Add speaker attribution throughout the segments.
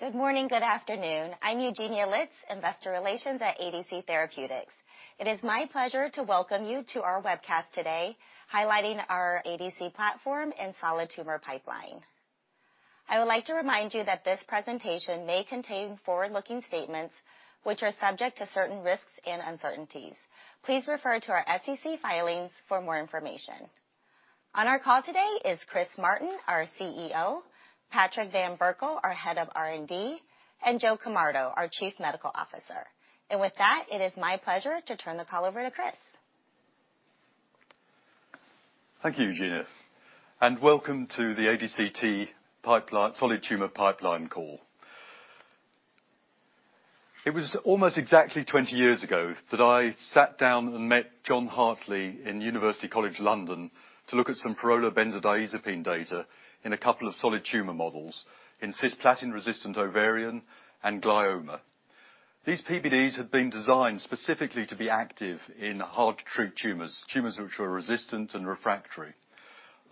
Speaker 1: Good morning. Good afternoon. I'm Eugenia Litz, investor relations at ADC Therapeutics. It is my pleasure to welcome you to our webcast today, highlighting our ADC platform and solid tumor pipeline. I would like to remind you that this presentation may contain forward-looking statements which are subject to certain risks and uncertainties. Please refer to our SEC filings for more information. On our call today is Chris Martin, our CEO, Patrick van Berkel, our Head of R&D, and Joseph Camardo, our Chief Medical Officer. With that, it is my pleasure to turn the call over to Chris.
Speaker 2: Thank you, Eugenia, and welcome to the ADCT Pipeline - Solid Tumor Pipeline call. It was almost exactly 20 years ago that I sat down and met John Hartley in University College London to look at some pyrrolobenzodiazepine data in a couple of solid tumor models in cisplatin-resistant ovarian and glioma. These PBDs had been designed specifically to be active in hard-to-treat tumors which were resistant and refractory.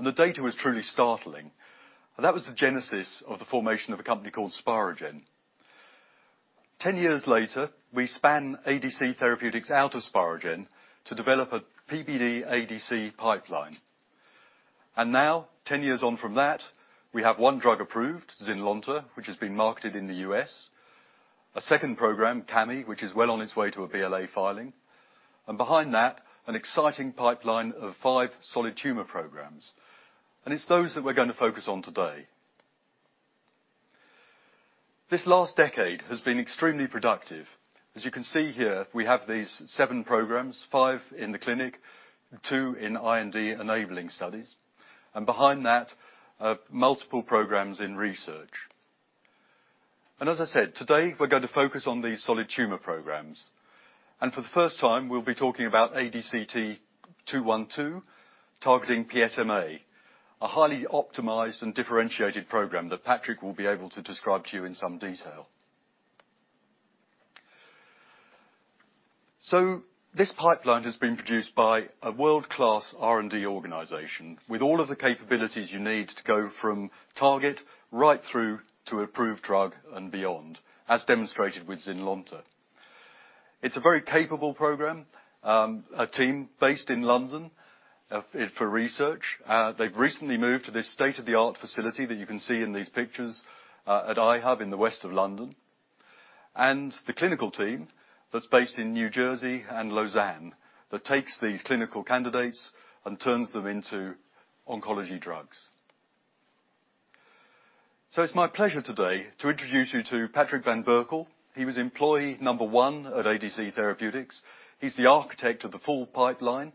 Speaker 2: The data was truly startling. That was the genesis of the formation of a company called Spirogen. 10 years later, we spun ADC Therapeutics out of Spirogen to develop a PBD ADC pipeline. Now, 10 years on from that, we have one drug approved, ZYNLONTA, which has been marketed in the U.S. A second program, Cami, which is well on its way to a BLA filing. Behind that, an exciting pipeline of five solid tumor programs. It's those that we're gonna focus on today. This last decade has been extremely productive. As you can see here, we have these seven programs, five in the clinic, two in IND-enabling studies, and behind that, multiple programs in research. As I said, today, we're going to focus on these solid tumor programs. For the first time, we'll be talking about ADCT-212, targeting PSMA, a highly optimized and differentiated program that Patrick will be able to describe to you in some detail. This pipeline has been produced by a world-class R&D organization with all of the capabilities you need to go from target right through to approved drug and beyond, as demonstrated with ZYNLONTA. It's a very capable program, a team based in London for research. They've recently moved to this state-of-the-art facility that you can see in these pictures, at I-HUB in West London. The clinical team that's based in New Jersey and Lausanne that takes these clinical candidates and turns them into oncology drugs. It's my pleasure today to introduce you to Patrick van Berkel. He was employee number 1 at ADC Therapeutics. He's the architect of the full pipeline,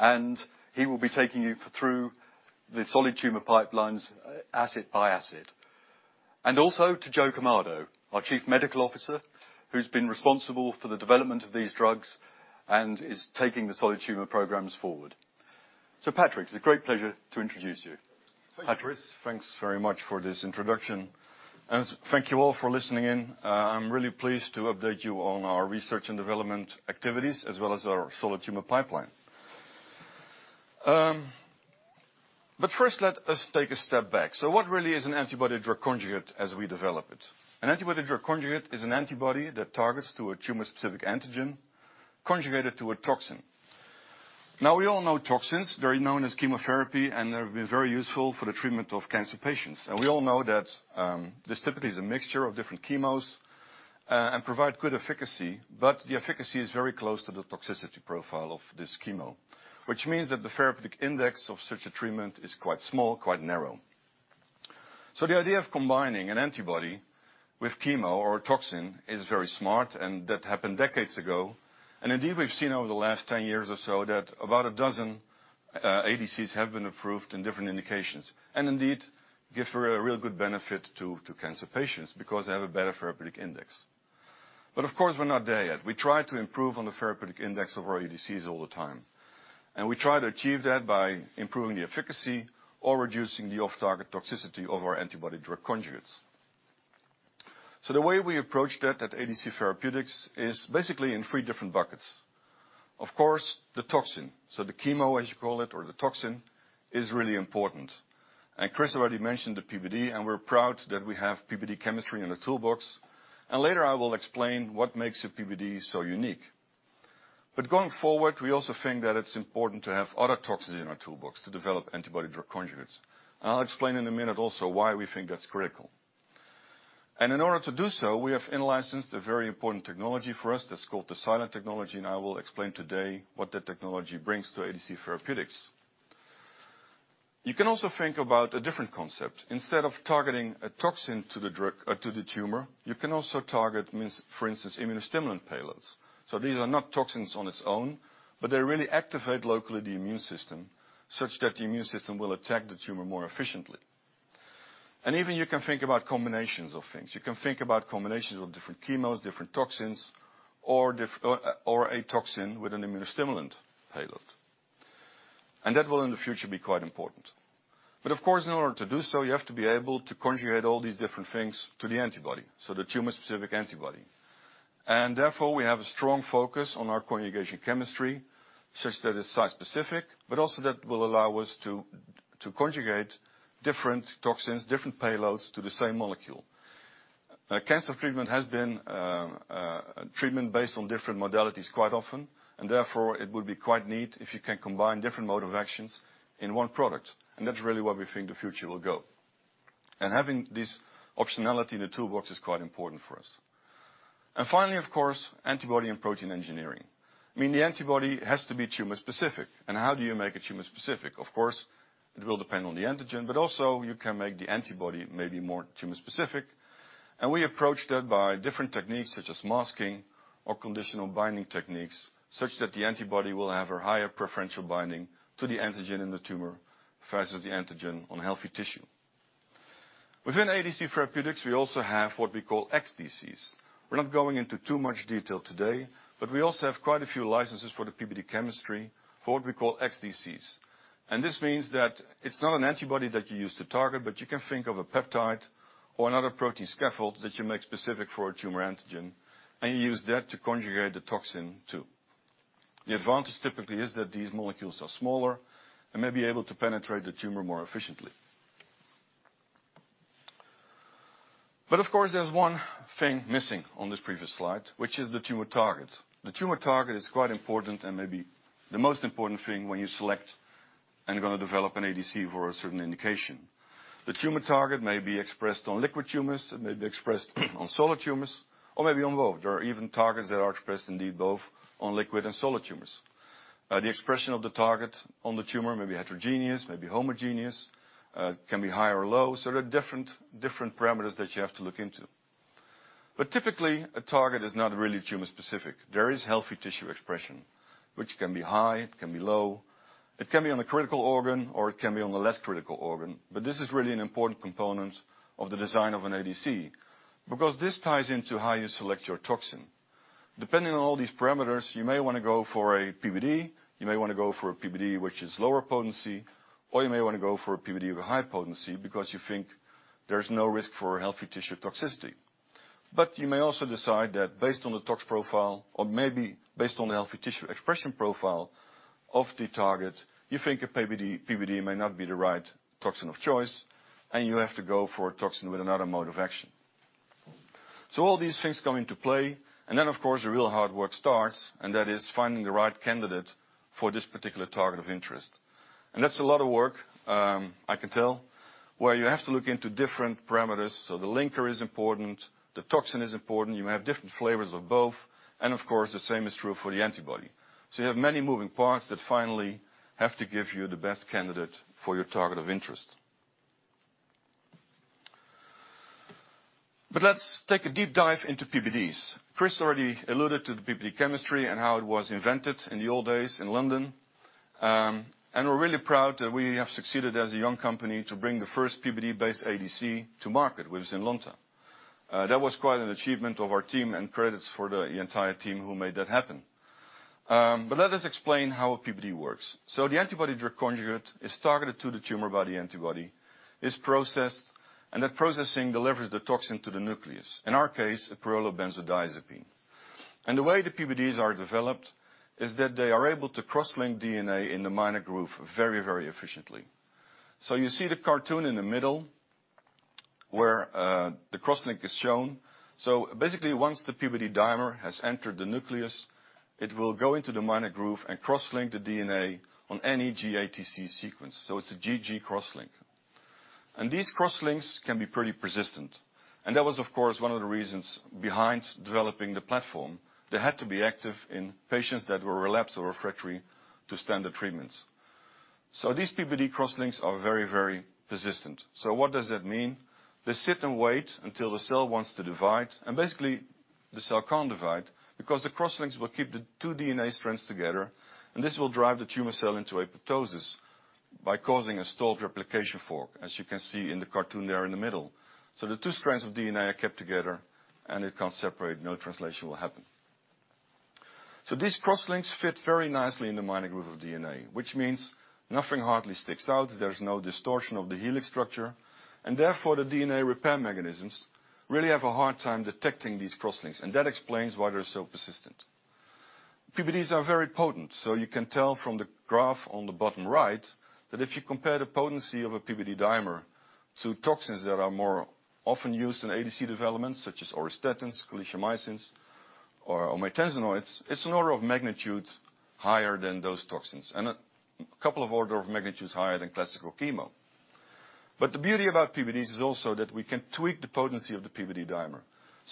Speaker 2: and he will be taking you through the solid tumor pipelines, asset by asset. Also to Joseph Camardo, our Chief Medical Officer, who's been responsible for the development of these drugs and is taking the solid tumor programs forward. Patrick, it's a great pleasure to introduce you. Patrick.
Speaker 3: Thanks, Chris. Thanks very much for this introduction. Thank you all for listening in. I'm really pleased to update you on our research and development activities as well as our solid tumor pipeline. First, let us take a step back. What really is an antibody drug conjugate as we develop it? An antibody drug conjugate is an antibody that targets to a tumor-specific antigen conjugated to a toxin. Now, we all know toxins. They're known as chemotherapy, and they've been very useful for the treatment of cancer patients. We all know that this typically is a mixture of different chemos and provide good efficacy, but the efficacy is very close to the toxicity profile of this chemo, which means that the therapeutic index of such a treatment is quite small, quite narrow. The idea of combining an antibody with chemo or a toxin is very smart, and that happened decades ago. Indeed, we've seen over the last 10 years or so that about 12 ADCs have been approved in different indications, and indeed give a real good benefit to cancer patients because they have a better therapeutic index. Of course, we're not there yet. We try to improve on the therapeutic index of our ADCs all the time, and we try to achieve that by improving the efficacy or reducing the off-target toxicity of our antibody drug conjugates. The way we approach that at ADC Therapeutics is basically in three different buckets. Of course, the toxin, so the chemo, as you call it, or the toxin, is really important. Chris already mentioned the PBD, and we're proud that we have PBD chemistry in the toolbox. Later I will explain what makes a PBD so unique. Going forward, we also think that it's important to have other toxins in our toolbox to develop antibody-drug conjugates. I'll explain in a minute also why we think that's critical. In order to do so, we have in-licensed a very important technology for us that's called the silent technology, and I will explain today what that technology brings to ADC Therapeutics. You can also think about a different concept. Instead of targeting a toxin to the tumor, you can also target, for instance, immunostimulant payloads. These are not toxins on its own, but they really activate locally the immune system such that the immune system will attack the tumor more efficiently. Even you can think about combinations of things. You can think about combinations of different chemos, different toxins, or a toxin with an immunostimulant payload. That will in the future be quite important. But of course, in order to do so, you have to be able to conjugate all these different things to the antibody, so the tumor-specific antibody. Therefore, we have a strong focus on our conjugation chemistry such that it's site-specific, but also that will allow us to conjugate different toxins, different payloads to the same molecule. Cancer treatment has been treatment based on different modalities quite often, and therefore it would be quite neat if you can combine different mode of actions in one product. That's really where we think the future will go. Having this optionality in the toolbox is quite important for us. Finally, of course, antibody and protein engineering. I mean, the antibody has to be tumor specific. How do you make it tumor specific? Of course, it will depend on the antigen, but also you can make the antibody maybe more tumor specific. We approach that by different techniques, such as masking or conditional binding techniques, such that the antibody will have a higher preferential binding to the antigen in the tumor versus the antigen on healthy tissue. Within ADC Therapeutics, we also have what we call xDC. We're not going into too much detail today, but we also have quite a few licenses for the PBD chemistry for what we call xDCs. This means that it's not an antibody that you use to target, but you can think of a peptide or another protein scaffold that you make specific for a tumor antigen, and you use that to conjugate the toxin, too. The advantage typically is that these molecules are smaller and may be able to penetrate the tumor more efficiently. Of course, there's one thing missing on this previous slide, which is the tumor target. The tumor target is quite important and maybe the most important thing when you select and gonna develop an ADC for a certain indication. The tumor target may be expressed on liquid tumors, it may be expressed on solid tumors, or maybe on both, or even targets that are expressed indeed both on liquid and solid tumors. The expression of the target on the tumor may be heterogeneous, may be homogeneous, can be high or low. There are different parameters that you have to look into. Typically, a target is not really tumor specific. There is healthy tissue expression, which can be high, it can be low, it can be on a critical organ, or it can be on a less critical organ. This is really an important component of the design of an ADC, because this ties into how you select your toxin. Depending on all these parameters, you may wanna go for a PBD, you may wanna go for a PBD which is lower potency, or you may wanna go for a PBD with high potency because you think there's no risk for healthy tissue toxicity. You may also decide that based on the tox profile or maybe based on the healthy tissue expression profile of the target, you think a PBD may not be the right toxin of choice, and you have to go for a toxin with another mode of action. All these things come into play. Then, of course, the real hard work starts, and that is finding the right candidate for this particular target of interest. That's a lot of work, I can tell, where you have to look into different parameters. The linker is important, the toxin is important. You have different flavors of both. Of course, the same is true for the antibody. You have many moving parts that finally have to give you the best candidate for your target of interest. Let's take a deep dive into PBDs. Chris already alluded to the PBD chemistry and how it was invented in the old days in London. We're really proud that we have succeeded as a young company to bring the first PBD-based ADC to market, which is ZYNLONTA. That was quite an achievement of our team and credits for the entire team who made that happen. Let us explain how a PBD works. The antibody drug conjugate is targeted to the tumor by the antibody, is processed, and that processing delivers the toxin to the nucleus, in our case, a pyrrolobenzodiazepine. The way the PBDs are developed is that they are able to cross-link DNA in the minor groove very, very efficiently. You see the cartoon in the middle where the cross-link is shown. Basically, once the PBD dimer has entered the nucleus, it will go into the minor groove and cross-link the DNA on any GATC sequence. It's a GG cross-link. These cross-links can be pretty persistent. That was of course one of the reasons behind developing the platform. They had to be active in patients that were relapsed or refractory to standard treatments. These PBD cross-links are very, very persistent. What does that mean? They sit and wait until the cell wants to divide, and basically the cell can't divide because the cross-links will keep the two DNA strands together, and this will drive the tumor cell into apoptosis by causing a stalled replication fork, as you can see in the cartoon there in the middle. The two strands of DNA are kept together and it can't separate, no translation will happen. These cross-links fit very nicely in the minor groove of DNA, which means nothing hardly sticks out, there's no distortion of the helix structure, and therefore the DNA repair mechanisms really have a hard time detecting these cross-links, and that explains why they're so persistent. PBDs are very potent, so you can tell from the graph on the bottom right that if you compare the potency of a PBD dimer to toxins that are more often used in ADC development, such as auristatins, calicheamicins, or maytansinoids, it's an order of magnitude higher than those toxins, and a couple of orders of magnitude higher than classical chemo. The beauty about PBDs is also that we can tweak the potency of the PBD dimer.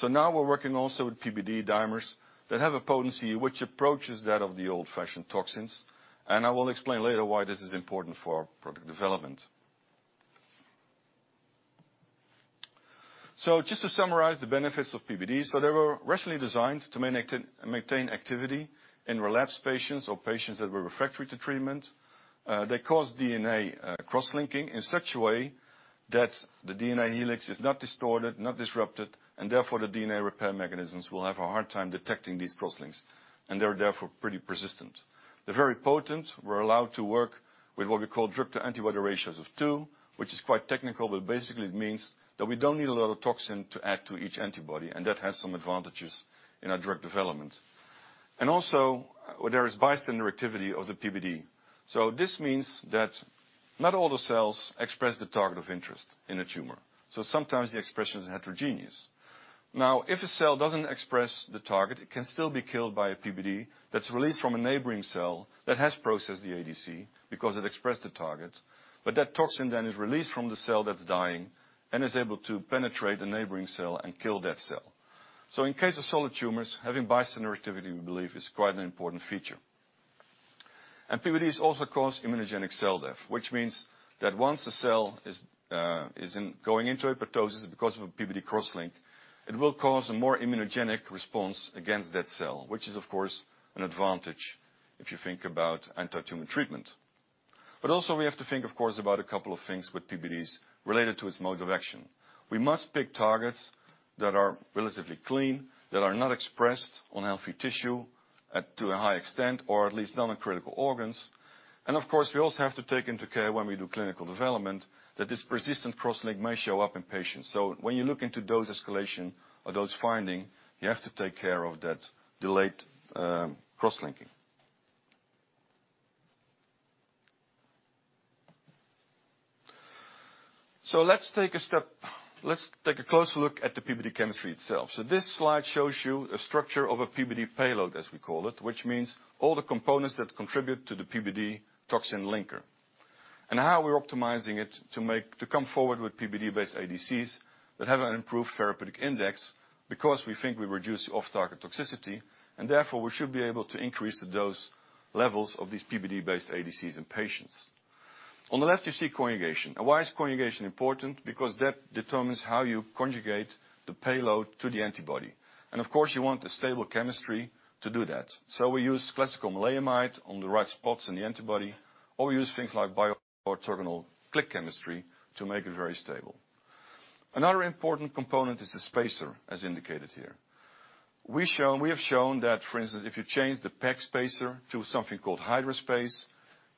Speaker 3: Now we're working also with PBD dimers that have a potency which approaches that of the old-fashioned toxins, and I will explain later why this is important for product development. Just to summarize the benefits of PBDs. They were rationally designed to maintain activity in relapsed patients or patients that were refractory to treatment. They cause DNA cross-linking in such a way that the DNA helix is not distorted, not disrupted, and therefore the DNA repair mechanisms will have a hard time detecting these cross-links, and they are therefore pretty persistent. They're very potent. We're allowed to work with what we call drug-to-antibody ratios of 2, which is quite technical, but basically it means that we don't need a lot of toxin to add to each antibody, and that has some advantages in our drug development. Also, there is bystander activity of the PBD. This means that not all the cells express the target of interest in a tumor. Sometimes the expression is heterogeneous. Now, if a cell doesn't express the target, it can still be killed by a PBD that's released from a neighboring cell that has processed the ADC because it expressed the target. That toxin then is released from the cell that's dying and is able to penetrate the neighboring cell and kill that cell. In case of solid tumors, having bystander activity, we believe, is quite an important feature. PBDs also cause immunogenic cell death, which means that once the cell is going into apoptosis because of a PBD cross-link, it will cause a more immunogenic response against that cell, which is of course an advantage if you think about antitumor treatment. We have to think, of course, about a couple of things with PBDs related to its mode of action. We must pick targets that are relatively clean, that are not expressed on healthy tissue to a high extent, or at least not in critical organs. Of course, we also have to take into care when we do clinical development that this persistent cross-link may show up in patients. When you look into dose escalation or dose finding, you have to take care of that delayed cross-linking. Let's take a step... Let's take a closer look at the PBD chemistry itself. This slide shows you a structure of a PBD payload, as we call it, which means all the components that contribute to the PBD toxin linker and how we're optimizing it to make, to come forward with PBD-based ADCs that have an improved therapeutic index because we think we reduce off-target toxicity, and therefore, we should be able to increase the dose levels of these PBD-based ADCs in patients. On the left, you see conjugation. Now, why is conjugation important? Because that determines how you conjugate the payload to the antibody. Of course, you want a stable chemistry to do that. We use classical maleimide on the right spots in the antibody, or we use things like bioorthogonal click chemistry to make it very stable. Another important component is the spacer, as indicated here. We have shown that, for instance, if you change the PEG spacer to something called HydraSpace,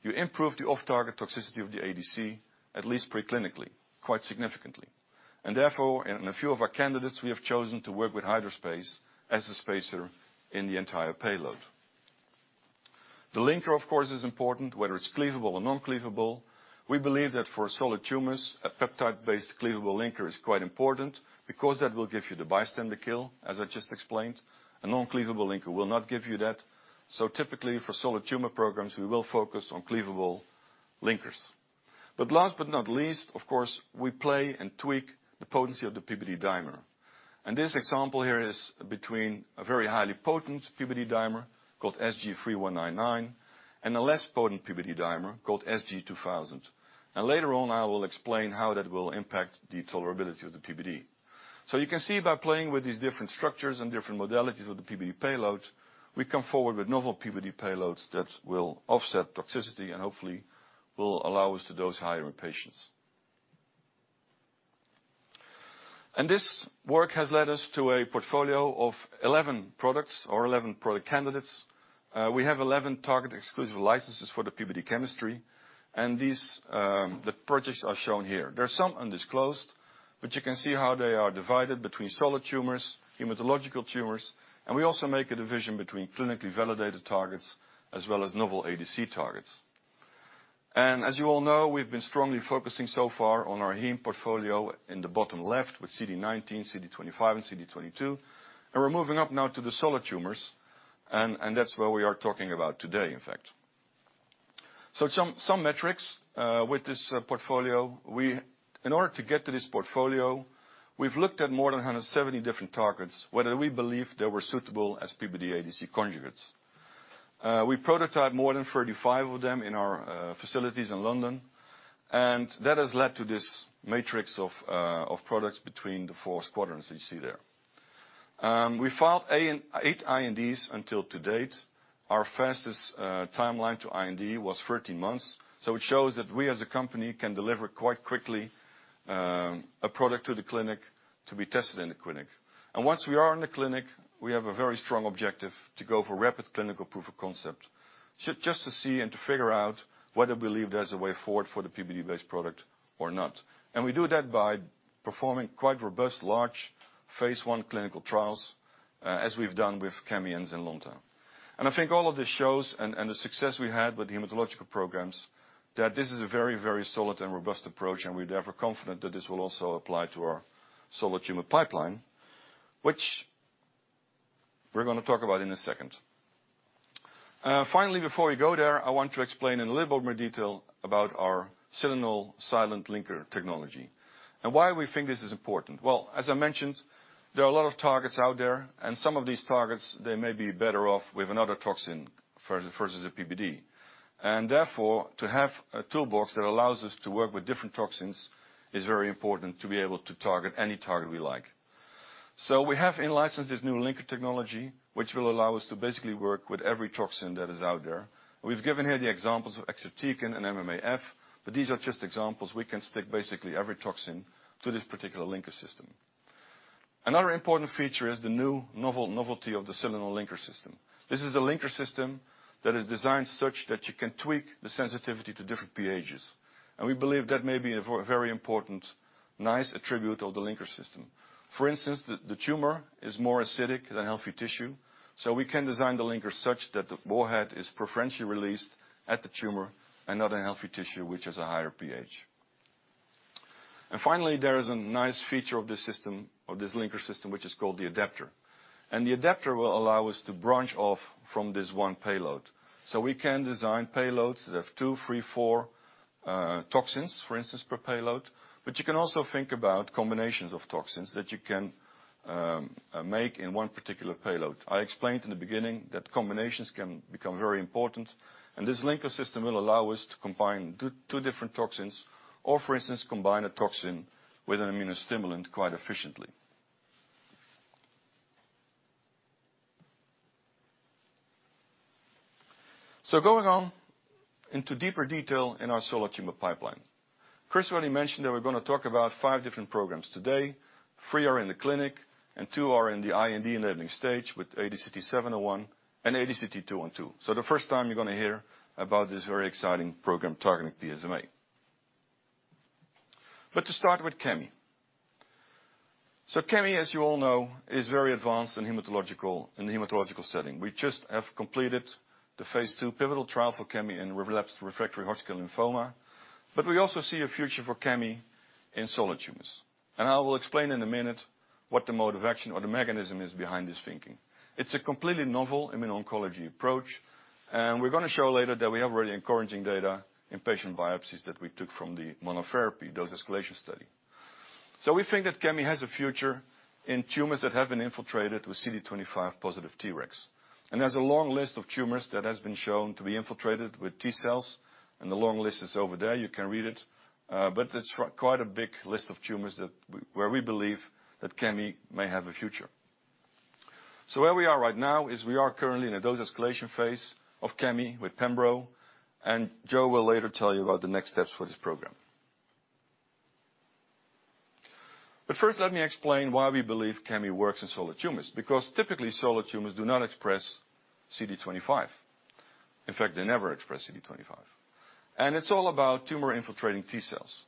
Speaker 3: you improve the off-target toxicity of the ADC, at least preclinically, quite significantly. In a few of our candidates, we have chosen to work with HydraSpace as the spacer in the entire payload. The linker, of course, is important, whether it's cleavable or non-cleavable. We believe that for solid tumors, a peptide-based cleavable linker is quite important because that will give you the bystander kill, as I just explained. A non-cleavable linker will not give you that. Typically, for solid tumor programs, we will focus on cleavable linkers. Last but not least, of course, we play and tweak the potency of the PBD dimer. This example here is between a very highly potent PBD dimer called SG3199 and a less potent PBD dimer called SG2000. Later on, I will explain how that will impact the tolerability of the PBD. You can see by playing with these different structures and different modalities of the PBD payload, we come forward with novel PBD payloads that will offset toxicity and hopefully will allow us to dose higher in patients. This work has led us to a portfolio of 11 products or 11 product candidates. We have 11 target exclusive licenses for the PBD chemistry, and these, the projects are shown here. There are some undisclosed, but you can see how they are divided between solid tumors, hematological tumors, and we also make a division between clinically validated targets as well as novel ADC targets. As you all know, we've been strongly focusing so far on our Heme portfolio in the bottom left with CD19, CD25, and CD22. We're moving up now to the solid tumors, that's where we are talking about today, in fact. Some metrics with this portfolio. In order to get to this portfolio, we've looked at more than 170 different targets, whether we believe they were suitable as PBD-ADC conjugates. We prototyped more than 35 of them in our facilities in London, and that has led to this matrix of products between the four quadrants that you see there. We filed eight INDs to date. Our fastest timeline to IND was 13 months, so it shows that we as a company can deliver quite quickly a product to the clinic to be tested in the clinic. Once we are in the clinic, we have a very strong objective to go for rapid clinical proof of concept, just to see and to figure out whether we believe there's a way forward for the PBD-based product or not. We do that by performing quite robust, large phase I clinical trials, as we've done with Cami and Zynlonta. I think all of this shows and the success we had with the hematological programs that this is a very, very solid and robust approach, and we're therefore confident that this will also apply to our solid tumor pipeline, which we're gonna talk about in a second. Finally, before we go there, I want to explain in a little bit more detail about our selenol linker technology and why we think this is important. Well, as I mentioned, there are a lot of targets out there, and some of these targets, they may be better off with another toxin versus a PBD. Therefore, to have a toolbox that allows us to work with different toxins is very important to be able to target any target we like. We have in-licensed this new linker technology, which will allow us to basically work with every toxin that is out there. We've given here the examples of exatecan and MMAF, but these are just examples. We can stick basically every toxin to this particular linker system. Another important feature is the novelty of the selenol linker system. This is a linker system that is designed such that you can tweak the sensitivity to different pHs. We believe that may be a very important, nice attribute of the linker system. For instance, the tumor is more acidic than healthy tissue, so we can design the linker such that the warhead is preferentially released at the tumor and other healthy tissue, which is a higher pH. Finally, there is a nice feature of this system, of this linker system, which is called the adaptor. The adaptor will allow us to branch off from this one payload. We can design payloads that have 2, 3, 4 toxins, for instance, per payload. You can also think about combinations of toxins that you can make in one particular payload. I explained in the beginning that combinations can become very important, and this linker system will allow us to combine two different toxins or, for instance, combine a toxin with an immunostimulant quite efficiently. Going on into deeper detail in our solid tumor pipeline. Chris already mentioned that we're gonna talk about five different programs today. Three are in the clinic, and two are in the IND-enabling stage with ADCT-701 and ADCT-212. The first time you're gonna hear about this very exciting program targeting PSMA. To start with Cami. Cami, as you all know, is very advanced in hematological, in the hematological setting. We just have completed the phase II pivotal trial for Cami in relapsed refractory Hodgkin lymphoma. We also see a future for Cami in solid tumors. I will explain in a minute what the mode of action or the mechanism is behind this thinking. It's a completely novel immuno-oncology approach, and we're gonna show later that we have really encouraging data in patient biopsies that we took from the monotherapy dose escalation study. We think that Cami has a future in tumors that have been infiltrated with CD25 positive Tregs. There's a long list of tumors that has been shown to be infiltrated with T-cells, and the long list is over there, you can read it. It's quite a big list of tumors that, where we believe that Cami may have a future. Where we are right now is we are currently in a dose escalation phase of Cami with pembro, and Joe will later tell you about the next steps for this program. First, let me explain why we believe Cami works in solid tumors, because typically, solid tumors do not express CD25. In fact, they never express CD25. It's all about tumor infiltrating T-cells.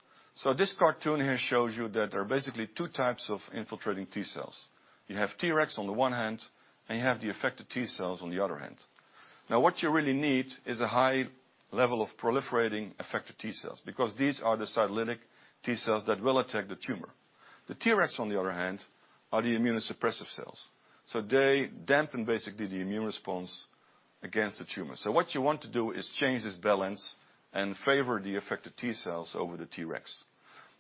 Speaker 3: This cartoon here shows you that there are basically two types of infiltrating T-cells. You have Tregs on the one hand, and you have the effector T cells on the other hand. Now what you really need is a high level of proliferating effector T cells because these are the cytolytic T cells that will attack the tumor. The Tregs, on the other hand, are the immunosuppressive cells. They dampen basically the immune response against the tumor. What you want to do is change this balance and favor the effector T cells over the Tregs.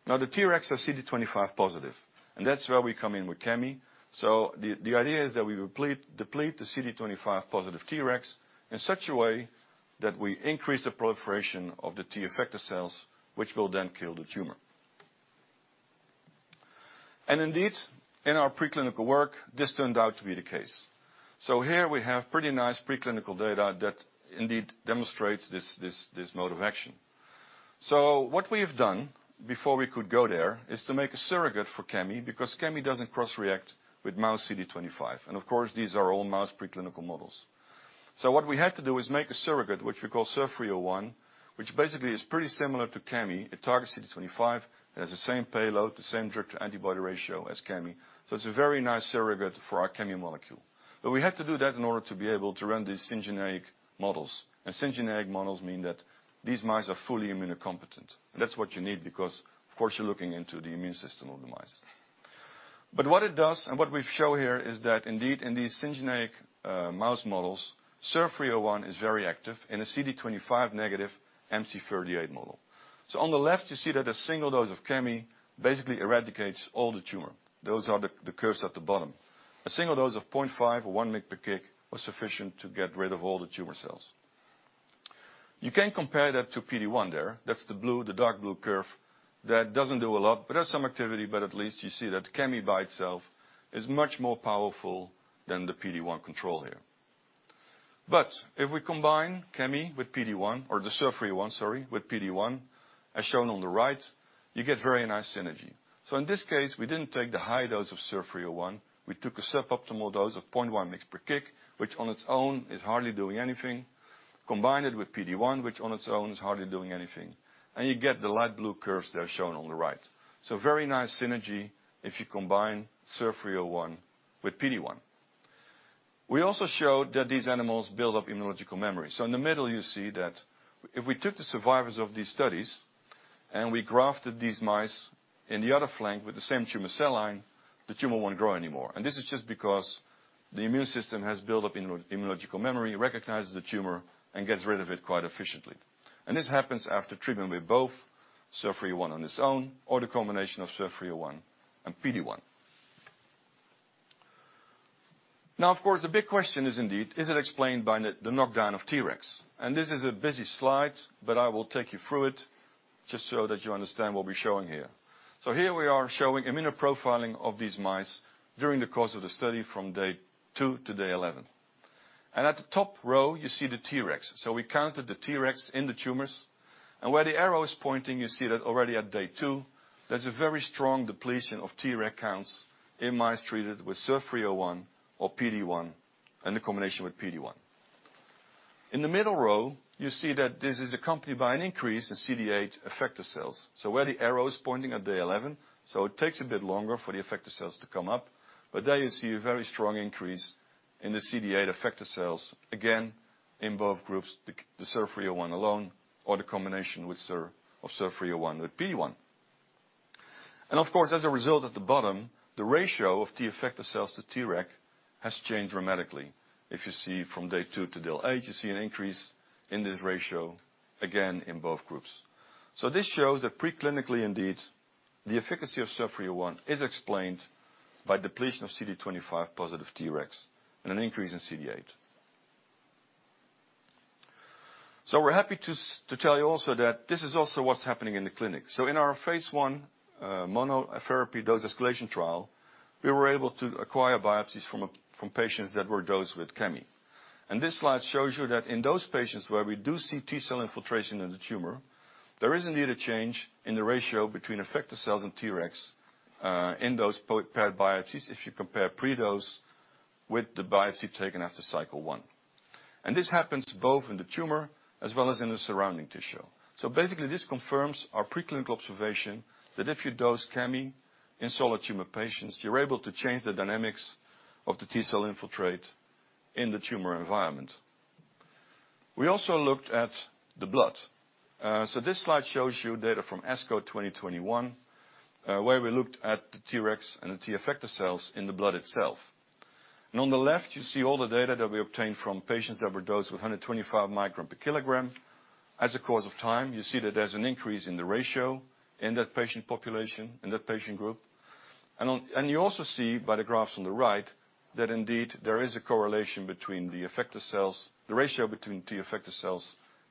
Speaker 3: Now, the Tregs are CD25 positive, and that's where we come in with Cami. The idea is that we deplete the CD25 positive Tregs in such a way that we increase the proliferation of the T effector cells, which will then kill the tumor. Indeed, in our preclinical work, this turned out to be the case. Here we have pretty nice preclinical data that indeed demonstrates this mode of action. What we have done before we could go there is to make a surrogate for Cami, because Cami doesn't cross-react with mouse CD25. Of course, these are all mouse preclinical models. What we had to do is make a surrogate, which we call SURF-301, which basically is pretty similar to Cami. It targets CD25. It has the same payload, the same drug-to-antibody ratio as Cami. It's a very nice surrogate for our Cami molecule. We had to do that in order to be able to run these syngeneic models. Syngeneic models mean that these mice are fully immunocompetent. That's what you need because, of course, you're looking into the immune system of the mice. What it does, and what we show here is that indeed, in these syngeneic mouse models, SURF-301 is very active in a CD25 negative MC38 model. On the left, you see that a single dose of Cami basically eradicates all the tumor. Those are the curves at the bottom. A single dose of 0.5 or 1 mg/kg was sufficient to get rid of all the tumor cells. You can compare that to PD-1 there. That's the blue, dark blue curve. That doesn't do a lot, but there's some activity. At least you see that Cami by itself is much more powerful than the PD-1 control here. If we combine Cami with PD-1, as shown on the right, you get very nice synergy. In this case, we didn't take the high dose of SURF-301. We took a suboptimal dose of 0.1 mg per kg, which on its own is hardly doing anything. Combine it with PD-1, which on its own is hardly doing anything, and you get the light blue curves that are shown on the right. Very nice synergy if you combine SURF-301 with PD-1. We also showed that these animals build up immunological memory. In the middle you see that if we took the survivors of these studies and we grafted these mice in the other flank with the same tumor cell line, the tumor won't grow anymore. This is just because the immune system has built up immunological memory, recognizes the tumor, and gets rid of it quite efficiently. This happens after treatment with both SURF-301 on its own or the combination of SURF-301 and PD-1. Now, of course, the big question is indeed, is it explained by the knockdown of Tregs? This is a busy slide, but I will take you through it just so that you understand what we're showing here. Here we are showing immunoprofiling of these mice during the course of the study from day 2 to day 11. At the top row, you see the Treg. We counted the Treg in the tumors, and where the arrow is pointing, you see that already at day 2, there's a very strong depletion of Treg counts in mice treated with SURF-301 or PD-1 and the combination with PD-1. In the middle row, you see that this is accompanied by an increase in CD8 effector cells. Where the arrow is pointing at day 11, it takes a bit longer for the effector cells to come up, but there you see a very strong increase in the CD8 effector cells, again in both groups, the SURF-01 alone or the combination with SURF-01 with PD-1. Of course, as a result, at the bottom, the ratio of T effector cells to Treg has changed dramatically. If you see from day two to day eight, you see an increase in this ratio again in both groups. This shows that preclinically, indeed, the efficacy of SURF-01 is explained by depletion of CD25 positive Treg and an increase in CD8. We're happy to tell you also that this is also what's happening in the clinic. In our phase I monotherapy dose escalation trial, we were able to acquire biopsies from patients that were dosed with Cami. This slide shows you that in those patients where we do see T-cell infiltration in the tumor, there is indeed a change in the ratio between effector cells and Treg in those paired biopsies if you compare pre-dose with the biopsy taken after cycle 1. This happens both in the tumor as well as in the surrounding tissue. Basically, this confirms our preclinical observation that if you dose Cami in solid tumor patients, you're able to change the dynamics of the T-cell infiltrate in the tumor environment. We also looked at the blood. This slide shows you data from ASCO 2021, where we looked at the Treg and the T effector cells in the blood itself. On the left, you see all the data that we obtained from patients that were dosed with 125 micro per kilogram. Over the course of time, you see that there's an increase in the ratio in that patient population, in that patient group. You also see by the graphs on the right, that indeed there is a correlation between the effector cells, the ratio between T effector cells,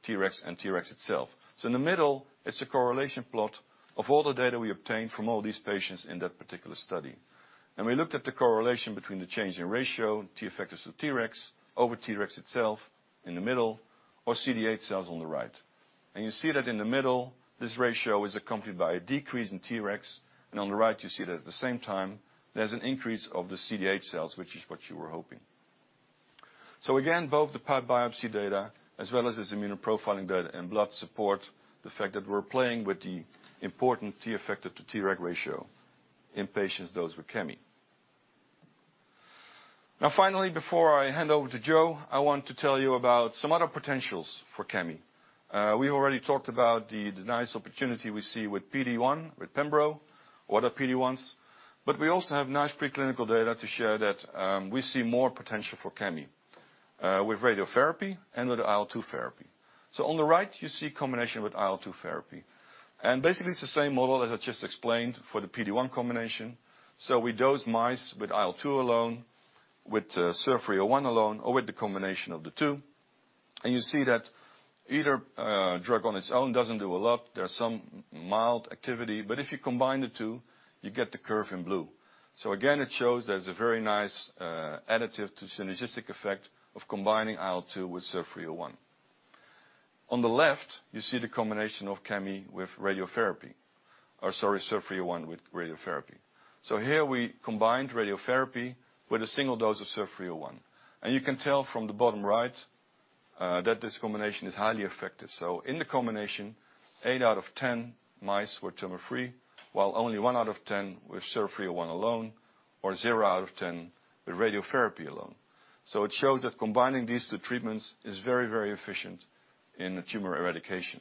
Speaker 3: Treg and Treg itself. In the middle, it's a correlation plot of all the data we obtained from all these patients in that particular study. We looked at the correlation between the change in ratio, T effectors to Treg over Treg itself in the middle or CD8 cells on the right. You see that in the middle, this ratio is accompanied by a decrease in Treg. On the right, you see that at the same time, there's an increase of the CD8 cells, which is what you were hoping. Again, both the paired biopsy data as well as this immunoprofiling data and blood support the fact that we're playing with the important T effector to Treg ratio in patients dosed with CAMI. Now finally, before I hand over to Joe, I want to tell you about some other potentials for CAMI. We already talked about the nice opportunity we see with PD-1, with pembro, or other PD-1s, but we also have nice preclinical data to show that we see more potential for CAMI with radiotherapy and with IL-2 therapy. On the right, you see combination with IL-2 therapy, and basically it's the same model as I just explained for the PD-1 combination. We dosed mice with IL-2 alone, with SURF-301 alone, or with the combination of the two, and you see that either drug on its own doesn't do a lot. There's some mild activity. If you combine the two, you get the curve in blue. Again, it shows there's a very nice additive to synergistic effect of combining IL-2 with SURF-301. On the left, you see the combination of Cami with radiotherapy or, sorry, SURF-301 with radiotherapy. Here we combined radiotherapy with a single dose of SURF-301. You can tell from the bottom right that this combination is highly effective. In the combination, 8 out of 10 mice were tumor-free, while only 1 out of 10 with SURF-301 alone, or 0 out of 10 with radiotherapy alone. It shows that combining these two treatments is very, very efficient in the tumor eradication.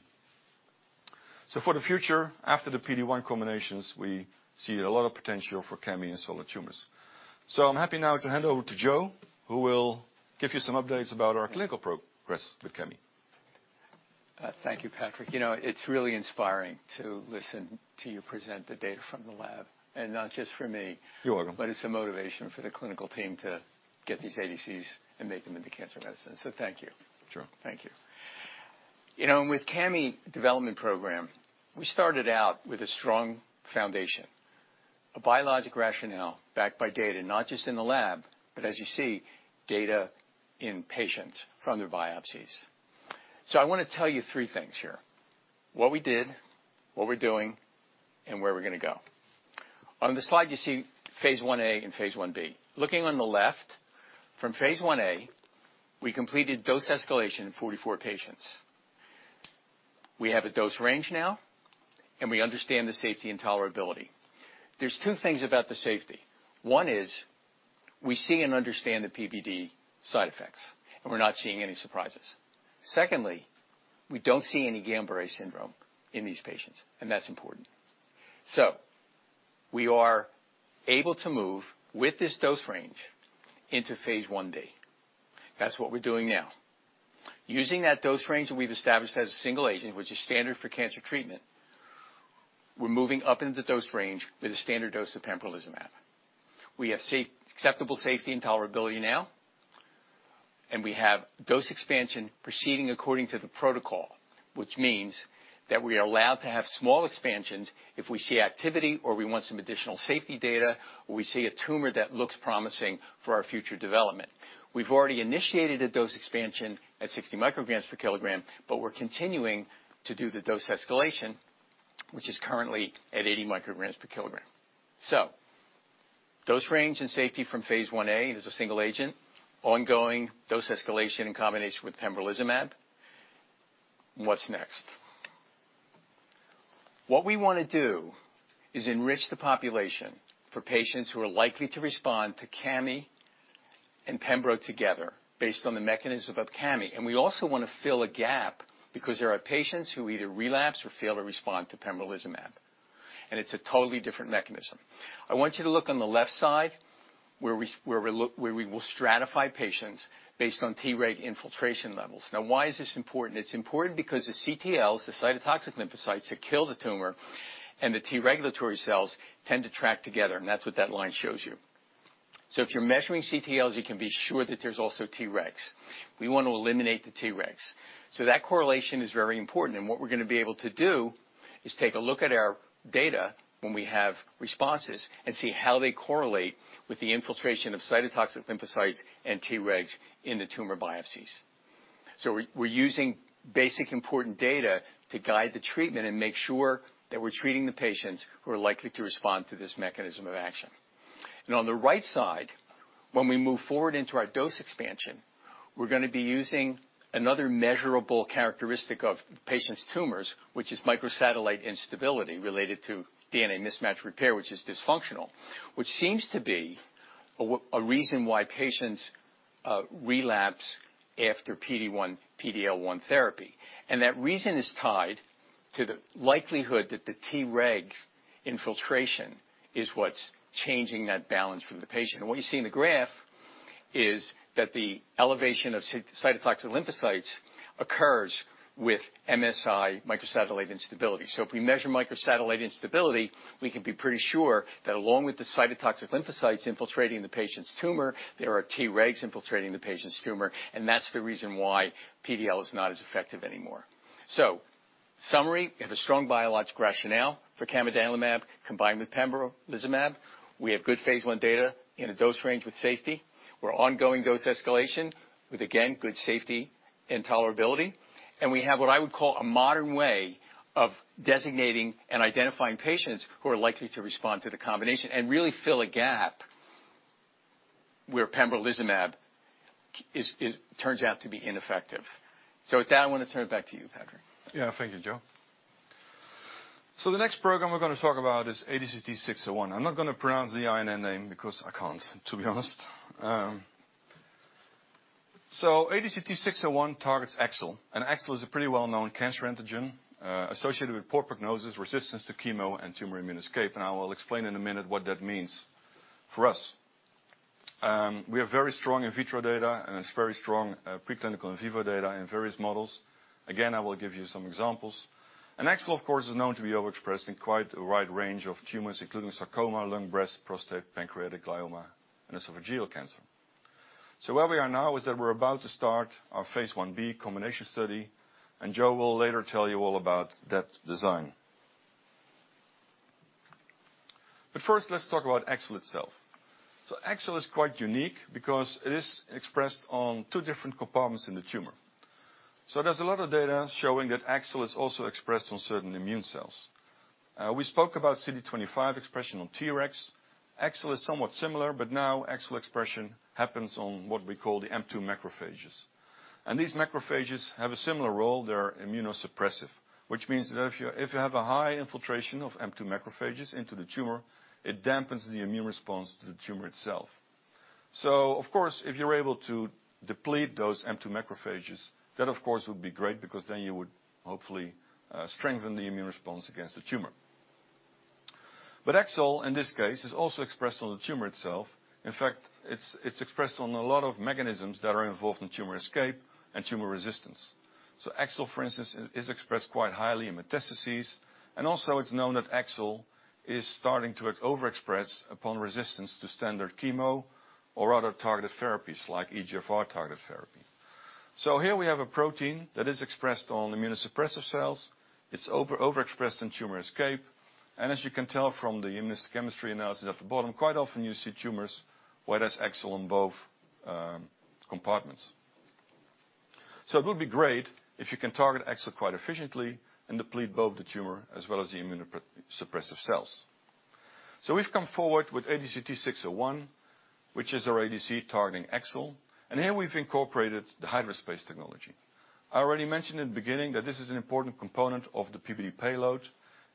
Speaker 3: For the future, after the PD-1 combinations, we see a lot of potential for Cami in solid tumors. I'm happy now to hand over to Joe, who will give you some updates about our clinical progress with Cami.
Speaker 4: Thank you, Patrick. You know, it's really inspiring to listen to you present the data from the lab, and not just for me.
Speaker 3: You're welcome.
Speaker 4: It's a motivation for the clinical team to get these ADCs and make them into cancer medicine. Thank you.
Speaker 3: Sure.
Speaker 4: Thank you. You know, with Cami development program, we started out with a strong foundation, a biologic rationale backed by data, not just in the lab, but as you see, data in patients from their biopsies. I wanna tell you three things here, what we did, what we're doing, and where we're gonna go. On the slide, you see phase IA and phase IB. Looking on the left from phase IA, we completed dose escalation in 44 patients. We have a dose range now, and we understand the safety and tolerability. There's two things about the safety. One is we see and understand the PBD side effects, and we're not seeing any surprises. Secondly, we don't see any Guillain-Barré syndrome in these patients, and that's important. We are able to move with this dose range into phase IB. That's what we're doing now. Using that dose range that we've established as a single agent, which is standard for cancer treatment, we're moving up into dose range with a standard dose of pembrolizumab. We have safe, acceptable safety and tolerability now, and we have dose expansion proceeding according to the protocol. Which means that we are allowed to have small expansions if we see activity or we want some additional safety data, or we see a tumor that looks promising for our future development. We've already initiated a dose expansion at 60 micrograms per kilogram, but we're continuing to do the dose escalation, which is currently at 80 micrograms per kilogram. Dose range and safety from phase I A is a single agent. Ongoing dose escalation in combination with pembrolizumab. What's next? What we wanna do is enrich the population for patients who are likely to respond to Cami and pembrolizumab together based on the mechanism of Cami. We also wanna fill a gap because there are patients who either relapse or fail to respond to pembrolizumab, and it's a totally different mechanism. I want you to look on the left side where we will stratify patients based on T-reg infiltration levels. Now, why is this important? It's important because the CTLs, the cytotoxic lymphocytes that kill the tumor and the T regulatory cells tend to track together, and that's what that line shows you. If you're measuring CTLs, you can be sure that there's also T-regs. We want to eliminate the T-regs, so that correlation is very important. What we're gonna be able to do is take a look at our data when we have responses and see how they correlate with the infiltration of cytotoxic lymphocytes and Tregs in the tumor biopsies. We're using basic important data to guide the treatment and make sure that we're treating the patients who are likely to respond to this mechanism of action. On the right side, when we move forward into our dose expansion, we're gonna be using another measurable characteristic of patients' tumors, which is microsatellite instability related to DNA mismatch repair, which is dysfunctional, which seems to be a reason why patients relapse after PD-1, PD-L1 therapy. That reason is tied to the likelihood that the Treg infiltration is what's changing that balance from the patient. What you see in the graph is that the elevation of cytotoxic lymphocytes occurs with MSI microsatellite instability. If we measure microsatellite instability, we can be pretty sure that along with the cytotoxic lymphocytes infiltrating the patient's tumor, there are T-regs infiltrating the patient's tumor, and that's the reason why PD-L1 is not as effective anymore. Summary, we have a strong biologic rationale for camidanlumab combined with pembrolizumab. We have good phase I data in a dose range with safety. We're ongoing dose escalation with, again, good safety and tolerability. We have what I would call a modern way of designating and identifying patients who are likely to respond to the combination and really fill a gap where pembrolizumab turns out to be ineffective. With that, I wanna turn it back to you, Patrick.
Speaker 3: Yeah. Thank you, Joe. The next program we're gonna talk about is ADCT-601. I'm not gonna pronounce the INN name because I can't, to be honest. ADCT-601 targets AXL, and AXL is a pretty well-known cancer antigen, associated with poor prognosis, resistance to chemo, and tumor immune escape. I will explain in a minute what that means for us. We have very strong in vitro data, and it's very strong, preclinical in vivo data in various models. Again, I will give you some examples. AXL, of course, is known to be overexpressed in quite a wide range of tumors, including sarcoma, lung, breast, prostate, pancreatic, glioma, and esophageal cancer. Where we are now is that we're about to start our phase I/B combination study, and Joe will later tell you all about that design. First, let's talk about AXL itself. AXL is quite unique because it is expressed on two different compartments in the tumor, so there's a lot of data showing that AXL is also expressed on certain immune cells. We spoke about CD25 expression on Tregs. AXL is somewhat similar, but now AXL expression happens on what we call the M2 macrophages, and these macrophages have a similar role. They're immunosuppressive, which means that if you have a high infiltration of M2 macrophages into the tumor, it dampens the immune response to the tumor itself. Of course, if you're able to deplete those M2 macrophages, that of course would be great because then you would hopefully strengthen the immune response against the tumor. AXL, in this case, is also expressed on the tumor itself. In fact, it's expressed on a lot of mechanisms that are involved in tumor escape and tumor resistance. AXL, for instance, is expressed quite highly in metastases, and also it's known that AXL is starting to overexpress upon resistance to standard chemo or other targeted therapies like EGFR-targeted therapy. Here we have a protein that is expressed on immunosuppressive cells. It's overexpressed in tumor escape, and as you can tell from the immunohistochemistry analysis at the bottom, quite often you see tumors where there's AXL in both compartments. It would be great if you can target AXL quite efficiently and deplete both the tumor as well as the immunosuppressive cells. We've come forward with ADCT-601, which is our ADC targeting AXL, and here we've incorporated the HydraSpace technology. I already mentioned in the beginning that this is an important component of the PBD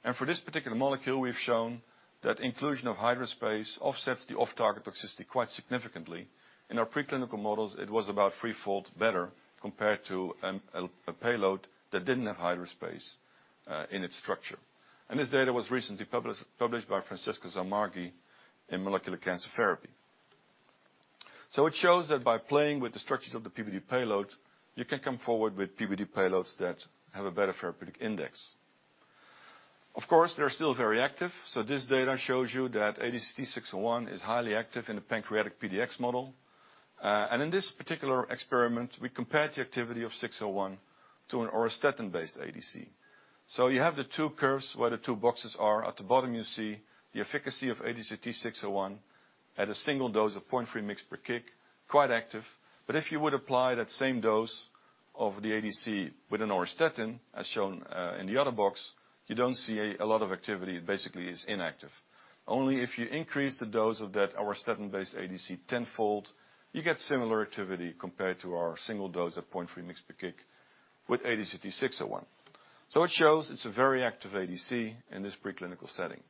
Speaker 3: payload. For this particular molecule, we've shown that inclusion of HydraSpace offsets the off-target toxicity quite significantly. In our preclinical models, it was about three-fold better compared to a payload that didn't have HydraSpace in its structure. This data was recently published by Francesca Zammarchi in Molecular Cancer Therapeutics. It shows that by playing with the structures of the PBD payload, you can come forward with PBD payloads that have a better therapeutic index. Of course, they're still very active. This data shows you that ADCT-601 is highly active in the pancreatic PDX model. In this particular experiment, we compared the activity of 601 to an auristatin-based ADC. You have the two curves where the two boxes are. At the bottom, you see the efficacy of ADCT-601 at a single dose of 0.3 mg/kg, quite active. If you would apply that same dose of the ADC with an auristatin, as shown in the other box, you don't see a lot of activity. Basically, it's inactive. Only if you increase the dose of that auristatin-based ADC tenfold, you get similar activity compared to our single dose at 0.3 mg/kg with ADCT-601. It shows it's a very active ADC in this preclinical setting.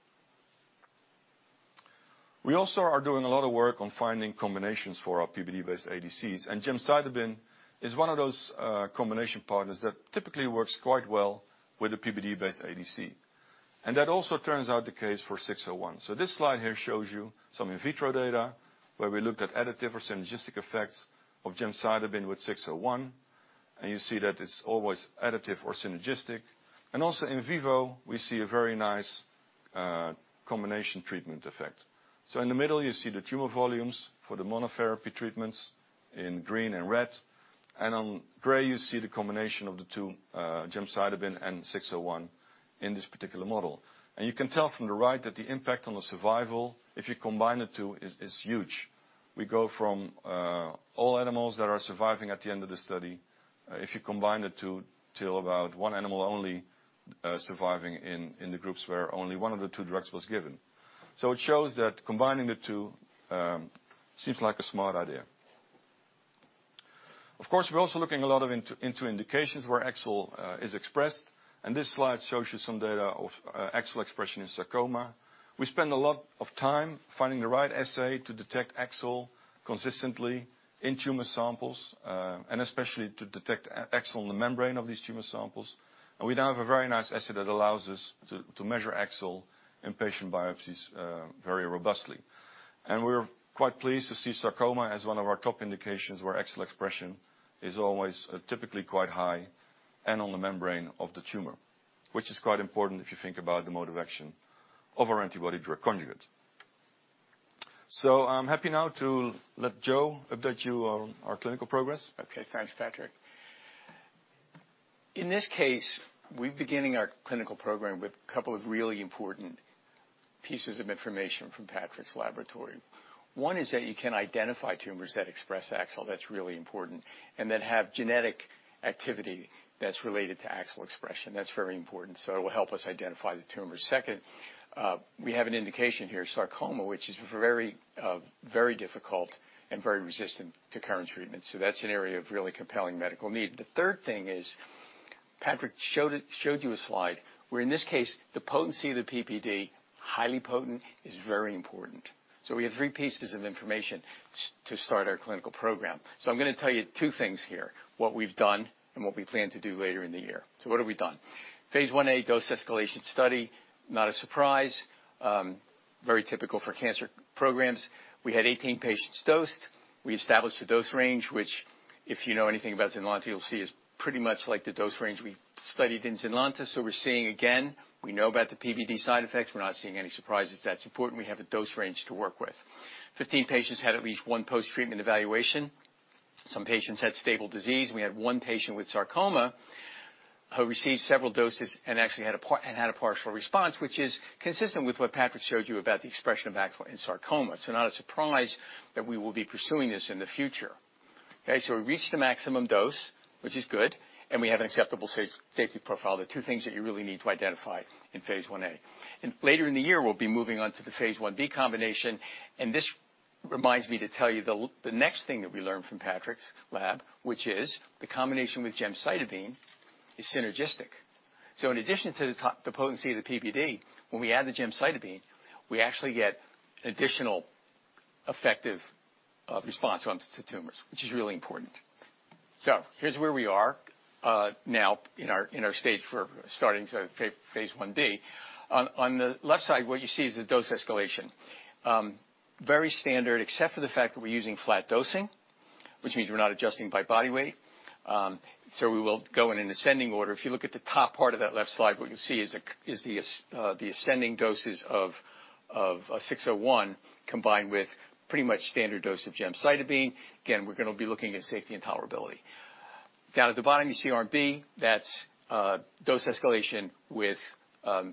Speaker 3: We also are doing a lot of work on finding combinations for our PBD-based ADCs, and gemcitabine is one of those combination partners that typically works quite well with a PBD-based ADC. That also turns out the case for 601. This slide here shows you some in vitro data where we looked at additive or synergistic effects of gemcitabine with 601, and you see that it's always additive or synergistic. Also in vivo, we see a very nice combination treatment effect. In the middle, you see the tumor volumes for the monotherapy treatments in green and red. On gray, you see the combination of the two, gemcitabine and 601 in this particular model. You can tell from the right that the impact on the survival, if you combine the two, is huge. We go from all animals that are surviving at the end of the study, if you combine the two, to about 1 animal only surviving in the groups where only one of the two drugs was given. It shows that combining the two seems like a smart idea. Of course, we're also looking a lot into indications where AXL is expressed, and this slide shows you some data of AXL expression in sarcoma. We spend a lot of time finding the right assay to detect AXL consistently in tumor samples, and especially to detect AXL in the membrane of these tumor samples. We now have a very nice assay that allows us to measure AXL in patient biopsies very robustly. We're quite pleased to see sarcoma as one of our top indications where AXL expression is always typically quite high and on the membrane of the tumor, which is quite important if you think about the mode of action of our antibody drug conjugate. I'm happy now to let Joe update you on our clinical progress.
Speaker 4: Okay. Thanks, Patrick. In this case, we're beginning our clinical program with a couple of really important pieces of information from Patrick's laboratory. One is that you can identify tumors that express AXL, that's really important, and that have genetic activity that's related to AXL expression. That's very important, so it will help us identify the tumors. Second, we have an indication here, sarcoma, which is very, very difficult and very resistant to current treatment. That's an area of really compelling medical need. The third thing is, Patrick showed you a slide where, in this case, the potency of the PBD, highly potent, is very important. We have three pieces of information to start our clinical program. I'm gonna tell you two things here, what we've done and what we plan to do later in the year. What have we done? phase I-A dose-escalation study, not a surprise, very typical for cancer programs. We had 18 patients dosed. We established a dose range, which if you know anything about ZYNLONTA, you'll see is pretty much like the dose range we studied in ZYNLONTA. We're seeing again, we know about the PBD side effects. We're not seeing any surprises. That's important. We have a dose range to work with. 15 patients had at least one post-treatment evaluation. Some patients had stable disease, and we had one patient with sarcoma who received several doses and actually had a partial response, which is consistent with what Patrick showed you about the expression of AXL in sarcoma. Not a surprise that we will be pursuing this in the future. Okay, we reached the maximum dose, which is good, and we have an acceptable safety profile, the two things that you really need to identify in phase Ia. Later in the year, we'll be moving on to the phase Ib combination, and this reminds me to tell you the next thing that we learned from Patrick's lab, which is the combination with gemcitabine is synergistic. In addition to the potency of the PBD, when we add the gemcitabine, we actually get additional effective response on the tumors, which is really important. Here's where we are now in our stage for starting phase Ib. On the left side, what you see is the dose escalation. Very standard, except for the fact that we're using flat dosing, which means we're not adjusting by body weight. We will go in an ascending order. If you look at the top part of that left slide, what you'll see is the ascending doses of 601 combined with pretty much standard dose of gemcitabine. Again, we're gonna be looking at safety and tolerability. Down at the bottom, you see Arm B. That's dose escalation with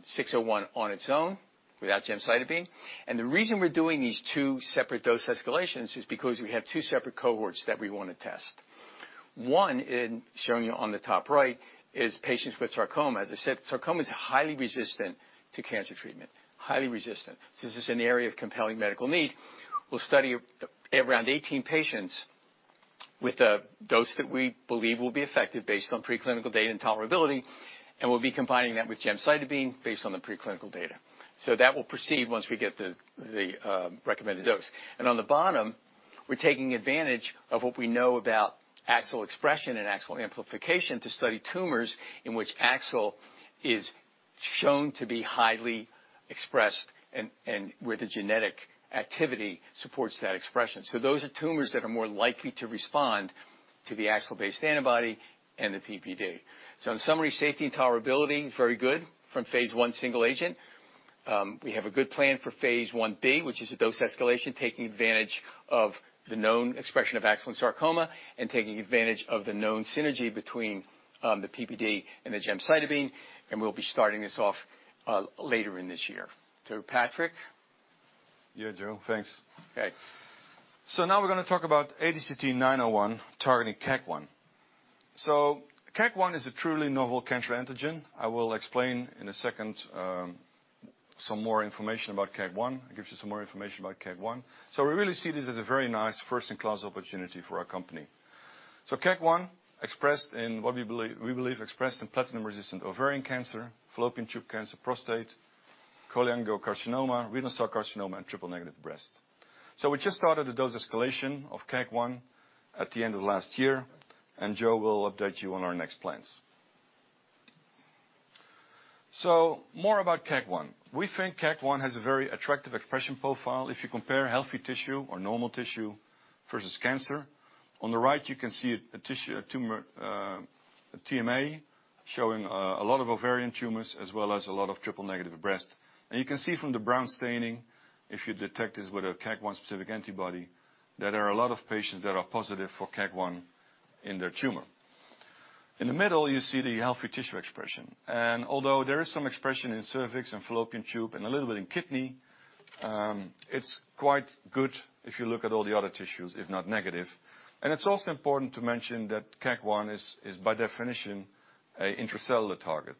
Speaker 4: 601 on its own without gemcitabine. The reason we're doing these two separate dose escalations is because we have two separate cohorts that we wanna test. One in, showing you on the top right, is patients with sarcoma. As I said, sarcoma is highly resistant to cancer treatment, highly resistant. This is an area of compelling medical need. We'll study around 18 patients with a dose that we believe will be effective based on preclinical data and tolerability, and we'll be combining that with gemcitabine based on the preclinical data. That will proceed once we get the recommended dose. On the bottom, we're taking advantage of what we know about AXL expression and AXL amplification to study tumors in which AXL is shown to be highly expressed and where the genetic activity supports that expression. Those are tumors that are more likely to respond to the AXL-based antibody and the PBD. In summary, safety and tolerability is very good from phase I single agent. We have a good plan for phase I-B, which is a dose escalation, taking advantage of the known expression of AXL in sarcoma and taking advantage of the known synergy between the PBD and gemcitabine, and we'll be starting this off later in this year. Patrick.
Speaker 3: Yeah, Joe, thanks.
Speaker 4: Okay.
Speaker 3: Now we're gonna talk about ADCT-901 targeting KAAG1. KAAG1 is a truly novel cancer antigen. I will explain in a second, some more information about KAAG1. It gives you some more information about KAAG1. We really see this as a very nice first in class opportunity for our company. KAAG1 expressed in what we believe expressed in platinum-resistant ovarian cancer, fallopian tube cancer, prostate, cholangiocarcinoma, renal cell carcinoma, and triple-negative breast. We just started a dose escalation of KAAG1 at the end of last year, and Joe will update you on our next plans. More about KAAG1. We think KAAG1 has a very attractive expression profile if you compare healthy tissue or normal tissue versus cancer. On the right, you can see a tumor TMA showing a lot of ovarian tumors as well as a lot of triple negative breast. You can see from the brown staining if you detect it with a KAAG1-specific antibody, that there are a lot of patients that are positive for KAAG1 in their tumor. In the middle, you see the healthy tissue expression. Although there is some expression in cervix and fallopian tube and a little bit in kidney, it's quite good if you look at all the other tissues, if not negative. It's also important to mention that KAAG1 is by definition an intracellular target.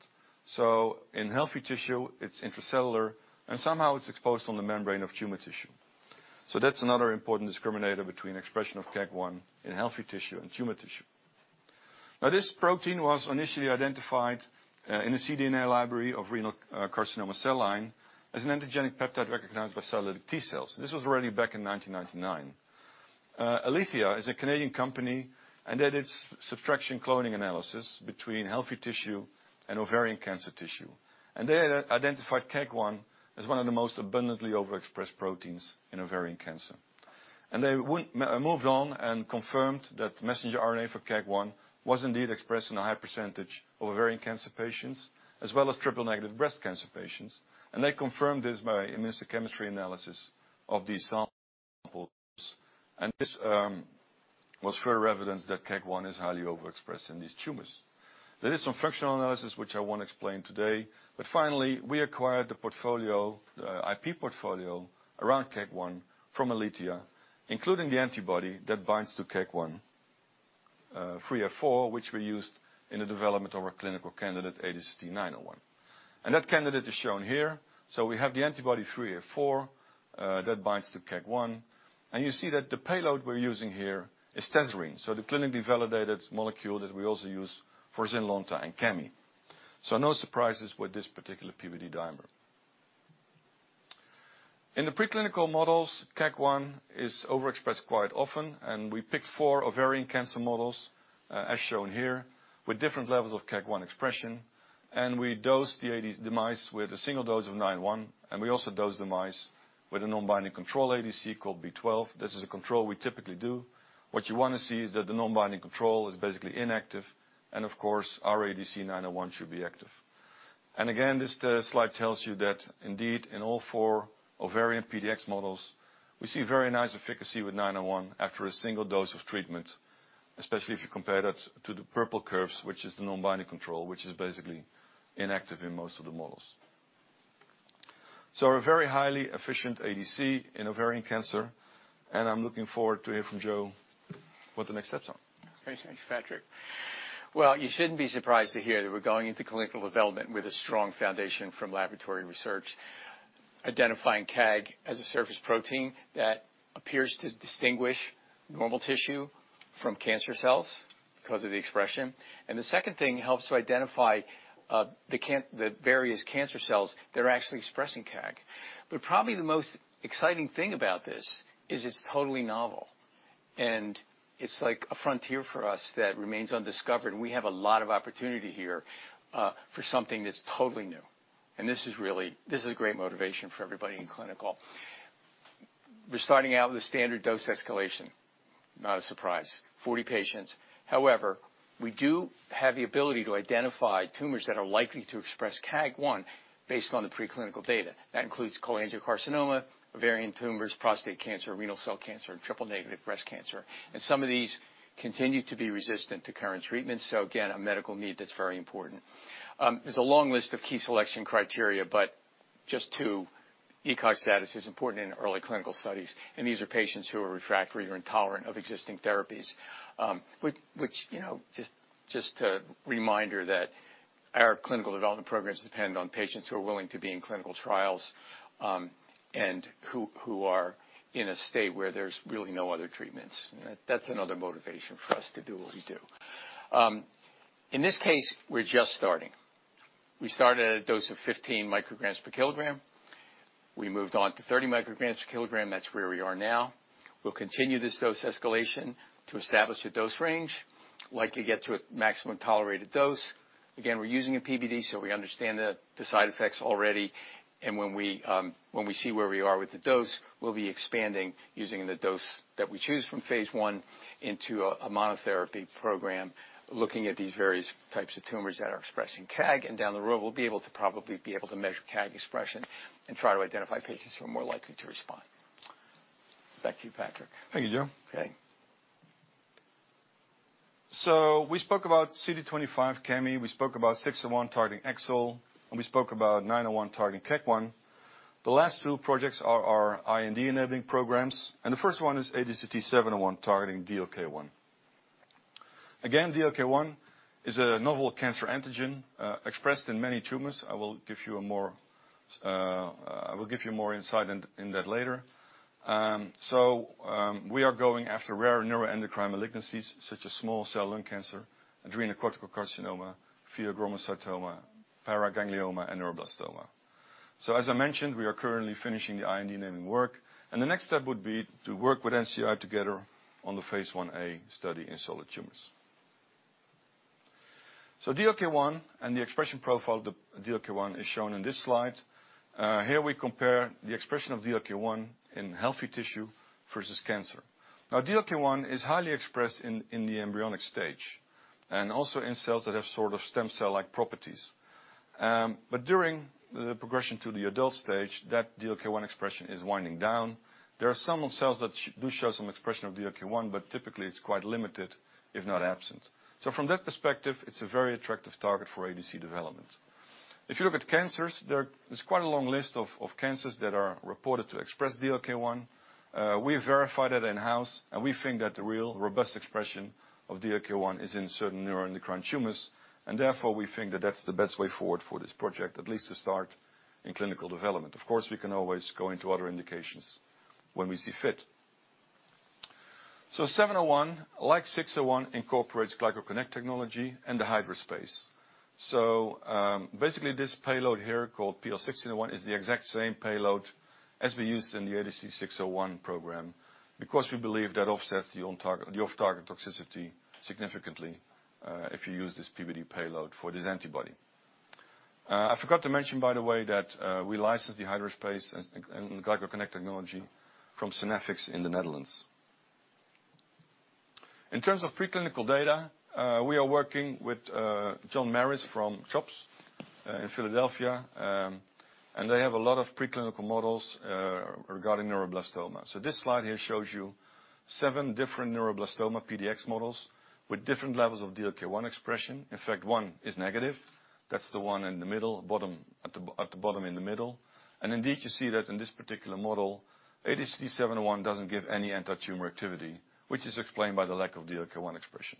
Speaker 3: In healthy tissue, it's intracellular, and somehow it's exposed on the membrane of tumor tissue. That's another important discriminator between expression of KAAG1 in healthy tissue and tumor tissue. Now, this protein was initially identified in a cDNA library of renal cell carcinoma cell line as an antigenic peptide recognized by cytotoxic T cells. This was already back in 1999. Alethia is a Canadian company and did its subtraction cloning analysis between healthy tissue and ovarian cancer tissue. They identified KAAG1 as one of the most abundantly overexpressed proteins in ovarian cancer. They moved on and confirmed that messenger RNA for KAAG1 was indeed expressed in a high percentage of ovarian cancer patients as well as triple-negative breast cancer patients, and they confirmed this by immunohistochemistry analysis of these samples. This was further evidence that KAAG1 is highly overexpressed in these tumors. There is some functional analysis which I won't explain today, but finally, we acquired the portfolio, the IP portfolio around KAAG1 from Alethia, including the antibody that binds to KAAG1, 3A4, which we used in the development of our clinical candidate ADCT-901. That candidate is shown here. We have the antibody 3A4 that binds to KAAG1, and you see that the payload we're using here is tesirine. The clinically validated molecule that we also use for ZYNLONTA and Cami. No surprises with this particular PBD dimer. In the preclinical models, KAAG1 is overexpressed quite often, and we picked four ovarian cancer models, as shown here, with different levels of KAAG1 expression. We dosed the mice with a single dose of 901, and we also dosed the mice with a non-binding control ADC called B12. This is a control we typically do. What you wanna see is that the non-binding control is basically inactive, and of course, our ADC 901 should be active. Again, this slide tells you that indeed, in all four ovarian PDX models, we see very nice efficacy with 901 after a single dose of treatment, especially if you compare that to the purple curves, which is the non-binding control, which is basically inactive in most of the models. A very highly efficient ADC in ovarian cancer, and I'm looking forward to hear from Joe what the next steps are.
Speaker 4: Okay, thanks, Patrick. Well, you shouldn't be surprised to hear that we're going into clinical development with a strong foundation from laboratory research, identifying KAAG1 as a surface protein that appears to distinguish normal tissue from cancer cells because of the expression. The second thing helps to identify the various cancer cells that are actually expressing KAAG1. Probably the most exciting thing about this is it's totally novel, and it's like a frontier for us that remains undiscovered. We have a lot of opportunity here for something that's totally new. This is really a great motivation for everybody in clinical. We're starting out with a standard dose escalation, not a surprise, 40 patients. However, we do have the ability to identify tumors that are likely to express KAAG1 based on the preclinical data. That includes cholangiocarcinoma, ovarian tumors, prostate cancer, renal cell cancer, and triple negative breast cancer. Some of these continue to be resistant to current treatments. Again, a medical need that's very important. There's a long list of key selection criteria, but just two. ECOG status is important in early clinical studies, and these are patients who are refractory or intolerant of existing therapies, which, you know, just a reminder that our clinical development programs depend on patients who are willing to be in clinical trials, and who are in a state where there's really no other treatments. That's another motivation for us to do what we do. In this case, we're just starting. We started at a dose of 15 micrograms per kilogram. We moved on to 30 micrograms per kilogram. That's where we are now. We'll continue this dose escalation to establish a dose range. Like to get to a maximum tolerated dose. Again, we're using a PBD, so we understand the side effects already. When we see where we are with the dose, we'll be expanding using the dose that we choose from phase I into a monotherapy program, looking at these various types of tumors that are expressing KAAG1. Down the road, we'll be able to probably measure KAAG1 expression and try to identify patients who are more likely to respond. Back to you, Patrick.
Speaker 3: Thank you, Joe.
Speaker 4: Okay.
Speaker 3: We spoke about CD25 Cami, we spoke about 601 targeting AXL, and we spoke about 901 targeting KAAG1. The last two projects are our IND-enabling programs, and the first one is ADCT-701 targeting DLK1. Again, DLK1 is a novel cancer antigen expressed in many tumors. I will give you more insight into that later. We are going after rare neuroendocrine malignancies, such as small cell lung cancer, adrenocortical carcinoma, pheochromocytoma, paraganglioma, and neuroblastoma. As I mentioned, we are currently finishing the IND-enabling work, and the next step would be to work with NCI together on the phase I A study in solid tumors. DLK1 and the expression profile of the DLK1 is shown in this slide. Here we compare the expression of DLK1 in healthy tissue versus cancer. Now DLK1 is highly expressed in the embryonic stage, and also in cells that have sort of stem cell-like properties. During the progression to the adult stage, that DLK1 expression is winding down. There are some cells that do show some expression of DLK1, but typically it's quite limited, if not absent. From that perspective, it's a very attractive target for ADC development. If you look at cancers, there's quite a long list of cancers that are reported to express DLK1. We have verified that in-house, and we think that the real robust expression of DLK1 is in certain neuroendocrine tumors, and therefore, we think that that's the best way forward for this project, at least to start in clinical development. Of course, we can always go into other indications when we see fit. 701, like 601, incorporates GlycoConnect technology and the HydraSpace. Basically this payload here called PL1601 is the exact same payload as we used in the ADCT-601 program because we believe that offsets the off-target toxicity significantly, if you use this PBD payload for this antibody. I forgot to mention, by the way, that we licensed the HydraSpace and GlycoConnect technology from Synaffix in the Netherlands. In terms of preclinical data, we are working with John Maris from CHOP in Philadelphia, and they have a lot of preclinical models regarding neuroblastoma. This slide here shows you seven different neuroblastoma PDX models with different levels of DLK1 expression. In fact, one is negative. That's the one in the middle, bottom, at the bottom in the middle. Indeed, you see that in this particular model, ADCT-701 doesn't give any antitumor activity, which is explained by the lack of DLK1 expression.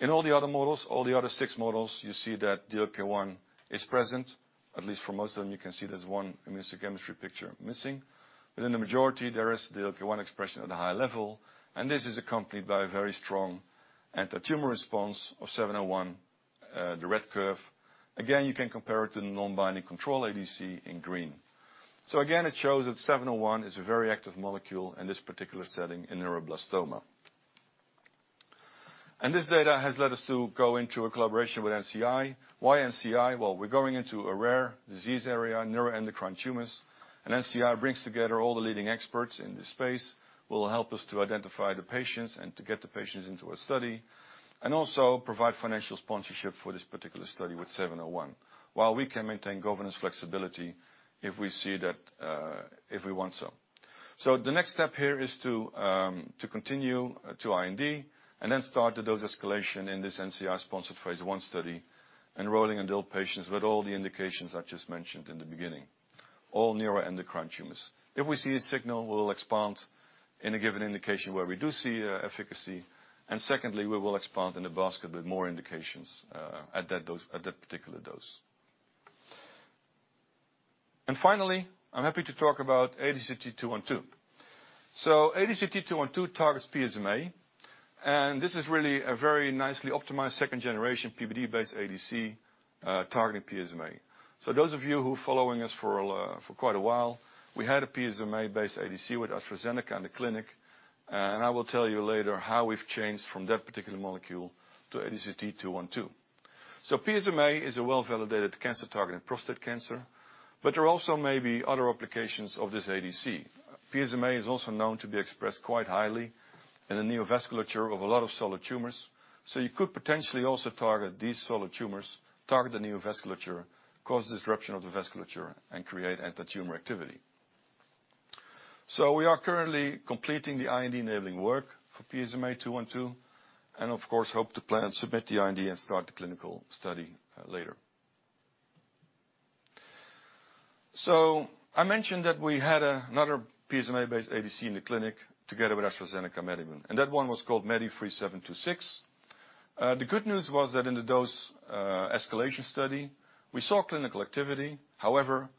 Speaker 3: In all the other models, all the other six models, you see that DLK1 is present, at least for most of them, you can see there's one immunohistochemistry picture missing. In the majority, there is DLK1 expression at a high level, and this is accompanied by a very strong antitumor response of ADCT-701, the red curve. Again, you can compare it to the non-binding control ADC in green. Again, it shows that ADCT-701 is a very active molecule in this particular setting in neuroblastoma. This data has led us to go into a collaboration with NCI. Why NCI? Well, we're going into a rare disease area, neuroendocrine tumors. NCI brings together all the leading experts in this space, will help us to identify the patients and to get the patients into a study, and also provide financial sponsorship for this particular study with ADCT-701, while we can maintain governance flexibility if we see that, if we want so. The next step here is to continue to IND and then start the dose escalation in this NCI-sponsored phase I study, enrolling adult patients with all the indications I just mentioned in the beginning, all neuroendocrine tumors. If we see a signal, we'll expand in a given indication where we do see efficacy. Secondly, we will expand in a basket with more indications, at that dose, at that particular dose. Finally, I'm happy to talk about ADCT-212. ADCT-212 targets PSMA, and this is really a very nicely optimized second-generation PBD-based ADC targeting PSMA. Those of you who are following us for quite a while, we had a PSMA-based ADC with AstraZeneca in the clinic, and I will tell you later how we've changed from that particular molecule to ADCT-212. PSMA is a well-validated cancer target in prostate cancer, but there also may be other applications of this ADC. PSMA is also known to be expressed quite highly in the neovasculature of a lot of solid tumors. You could potentially also target these solid tumors, target the neovasculature, cause disruption of the vasculature, and create antitumor activity. We are currently completing the IND-enabling work for ADCT-212, and of course, hope to plan to submit the IND and start the clinical study later. I mentioned that we had another PSMA-based ADC in the clinic together with AstraZeneca MedImmune, and that one was called MEDI3726. The good news was that in the dose escalation study, we saw clinical activity. However,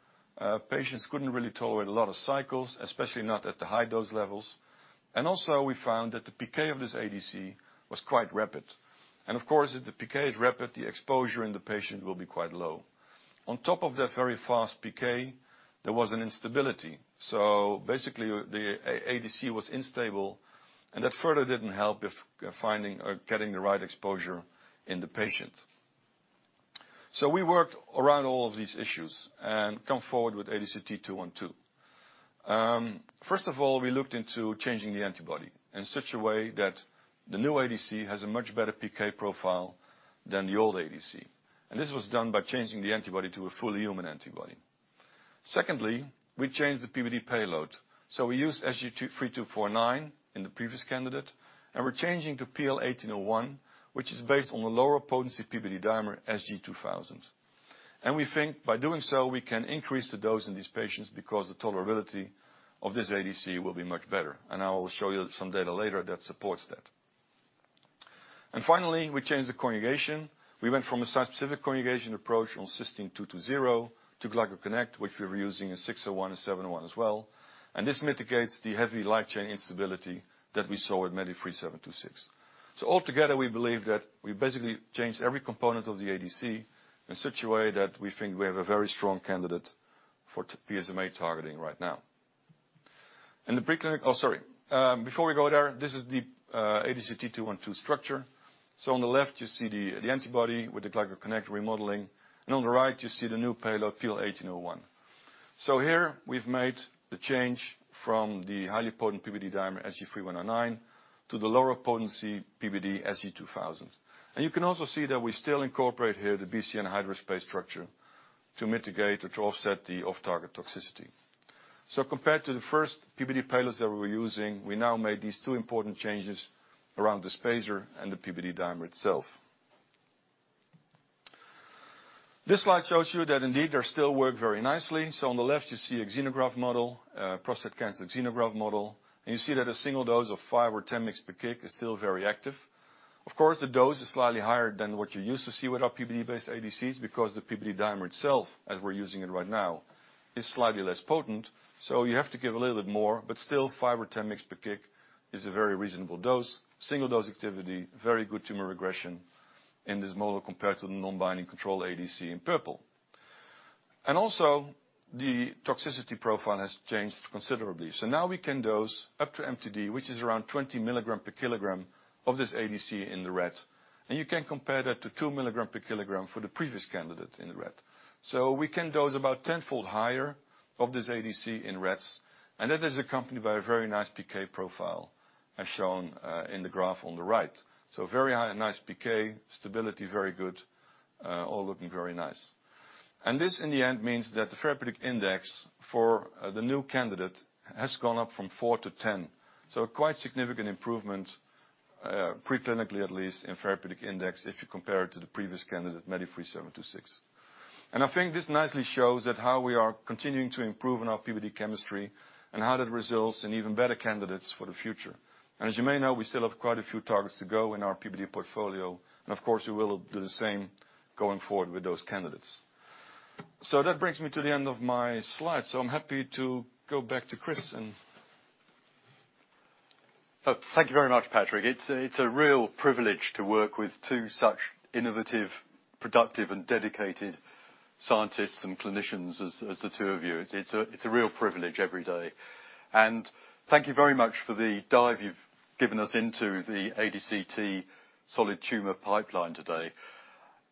Speaker 3: patients couldn't really tolerate a lot of cycles, especially not at the high dose levels. We found that the PK of this ADC was quite rapid. Of course, if the PK is rapid, the exposure in the patient will be quite low. On top of that very fast PK, there was an instability. Basically, the ADC was unstable, and that further didn't help with finding or getting the right exposure in the patient. We worked around all of these issues and come forward with ADCT-212. First of all, we looked into changing the antibody in such a way that the new ADC has a much better PK profile than the old ADC. This was done by changing the antibody to a fully human antibody. Secondly, we changed the PBD payload. We used SG3249 in the previous candidate, and we're changing to PL1801, which is based on the lower potency PBD dimer, SG2000. We think by doing so, we can increase the dose in these patients because the tolerability of this ADC will be much better. I will show you some data later that supports that. Finally, we changed the conjugation. We went from a site-specific conjugation approach on cysteine 220 to GlycoConnect, which we're using in 601 and 701 as well. This mitigates the heavy light chain instability that we saw with MEDI3726. Altogether, we believe that we basically changed every component of the ADC in such a way that we think we have a very strong candidate for PSMA targeting right now. Before we go there, this is the ADCT-212 structure. On the left, you see the antibody with the GlycoConnect remodeling, and on the right, you see the new payload PL1801. Here we've made the change from the highly potent PBD dimer, SG3199, to the lower potency PBD SG2000. You can also see that we still incorporate here the HydraSpace structure to mitigate or to offset the off-target toxicity. Compared to the first PBD payloads that we were using, we now made these two important changes around the spacer and the PBD dimer itself. This slide shows you that indeed, they still work very nicely. On the left, you see a xenograft model, prostate cancer xenograft model, and you see that a single dose of 5 or 10 mg per kg is still very active. Of course, the dose is slightly higher than what you're used to see with our PBD-based ADCs because the PBD dimer itself, as we're using it right now, is slightly less potent, so you have to give a little bit more. Still, 5 or 10 mg per kg is a very reasonable dose. Single dose activity, very good tumor regression in this model compared to the non-binding control ADC in purple. Also, the toxicity profile has changed considerably. Now we can dose up to MTD, which is around 20 mg/kg of this ADC in the rat, and you can compare that to 2 mg/kg for the previous candidate in the rat. We can dose about tenfold higher of this ADC in rats, and that is accompanied by a very nice PK profile, as shown in the graph on the right. Very high and nice PK, stability very good, all looking very nice. And this, in the end, means that the therapeutic index for the new candidate has gone up from 4 to 10. Quite significant improvement, preclinically at least, in therapeutic index if you compare it to the previous candidate, MEDI3726. I think this nicely shows how we are continuing to improve on our PBD chemistry and how that results in even better candidates for the future. As you may know, we still have quite a few targets to go in our PBD portfolio, and of course, we will do the same going forward with those candidates. That brings me to the end of my slide. I'm happy to go back to Chris and-
Speaker 2: Thank you very much, Patrick. It's a real privilege to work with two such innovative, productive, and dedicated scientists and clinicians as the two of you. It's a real privilege every day. Thank you very much for the dive you've given us into the ADCT solid tumor pipeline today.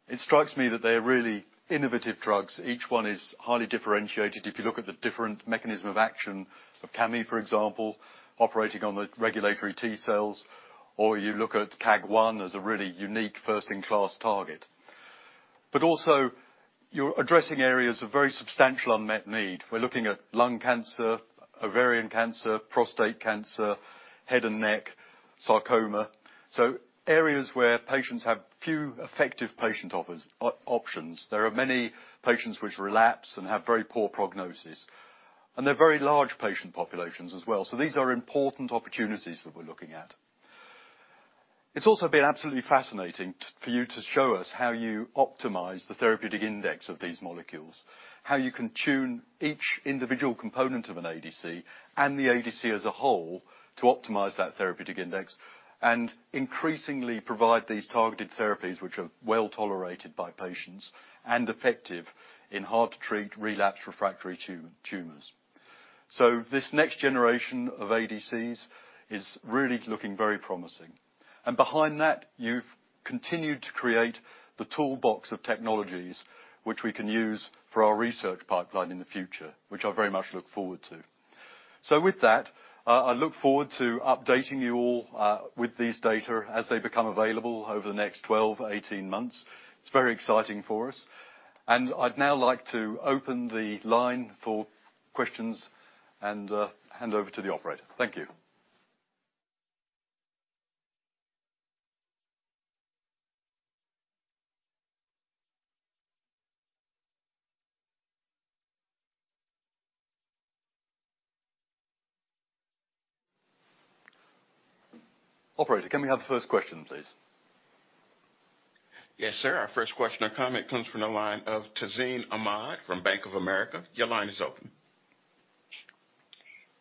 Speaker 2: It strikes me that they're really innovative drugs. Each one is highly differentiated. If you look at the different mechanism of action of Cami, for example, operating on the regulatory T cells, or you look at KAAG1 as a really unique first-in-class target. Also, you're addressing areas of very substantial unmet need. We're looking at lung cancer, ovarian cancer, prostate cancer, head and neck, sarcoma. Areas where patients have few effective options. There are many patients which relapse and have very poor prognosis. They're very large patient populations as well. These are important opportunities that we're looking at. It's also been absolutely fascinating for you to show us how you optimize the therapeutic index of these molecules, how you can tune each individual component of an ADC and the ADC as a whole to optimize that therapeutic index, and increasingly provide these targeted therapies which are well-tolerated by patients and effective in hard to treat relapse refractory tumors. This next generation of ADCs is really looking very promising. Behind that, you've continued to create the toolbox of technologies which we can use for our research pipeline in the future, which I very much look forward to. With that, I look forward to updating you all with these data as they become available over the next 12 or 18 months. It's very exciting for us. I'd now like to open the line for questions and hand over to the operator. Thank you. Operator, can we have the first question, please?
Speaker 5: Yes, sir. Our first question or comment comes from the line of Tazeen Ahmad from Bank of America. Your line is open.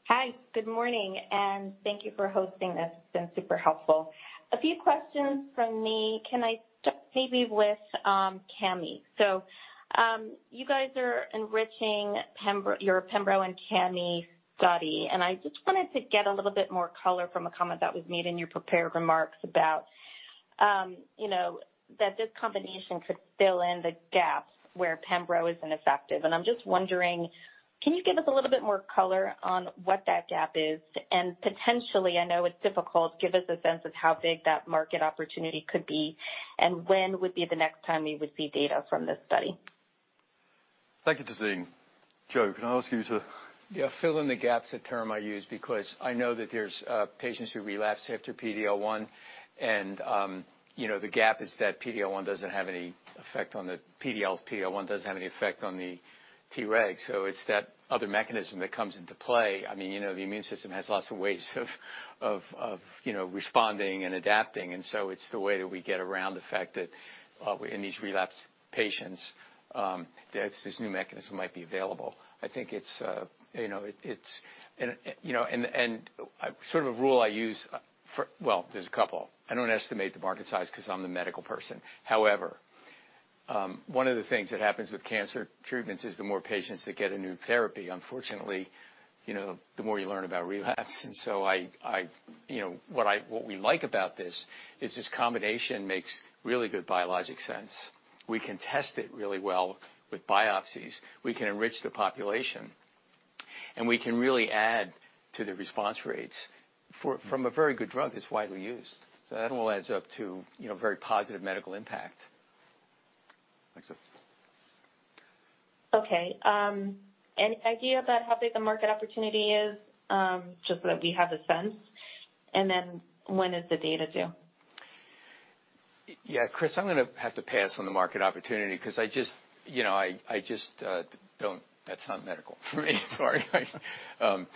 Speaker 6: Hi, good morning, and thank you for hosting this. It's been super helpful. A few questions from me. Can I start maybe with Cami? So, you guys are enriching pembrolizumab, your pembrolizumab and Cami study, and I just wanted to get a little bit more color from a comment that was made in your prepared remarks about, you know, that this combination could fill in the gaps where pembrolizumab is ineffective. I'm just wondering, can you give us a little bit more color on what that gap is? And potentially, I know it's difficult, give us a sense of how big that market opportunity could be and when would be the next time we would see data from this study.
Speaker 2: Thank you, Tazeen. Joe, can I ask you to?
Speaker 4: Yeah. Fill in the gaps, a term I use because I know that there's patients who relapse after PD-L1 and, you know, the gap is that PD-L1 doesn't have any effect on the Treg. It's that other mechanism that comes into play. I mean, you know, the immune system has lots of ways of, you know, responding and adapting. It's the way that we get around the fact that, in these relapsed patients, there's this new mechanism might be available. I think it's, you know, it's sort of a rule I use for. Well, there's a couple. I don't estimate the market size because I'm the medical person. However, one of the things that happens with cancer treatments is the more patients that get a new therapy, unfortunately, you know, the more you learn about relapse. You know, what we like about this is this combination makes really good biologic sense. We can test it really well with biopsies, we can enrich the population, and we can really add to the response rates from a very good drug that's widely used. That all adds up to, you know, very positive medical impact.
Speaker 2: Thanks, Joe.
Speaker 6: Any idea about how big the market opportunity is? Just so that we have a sense. When is the data due?
Speaker 4: Yeah, Chris, I'm gonna have to pass on the market opportunity because I just, you know, I just don't. That's not medical for me. Sorry. I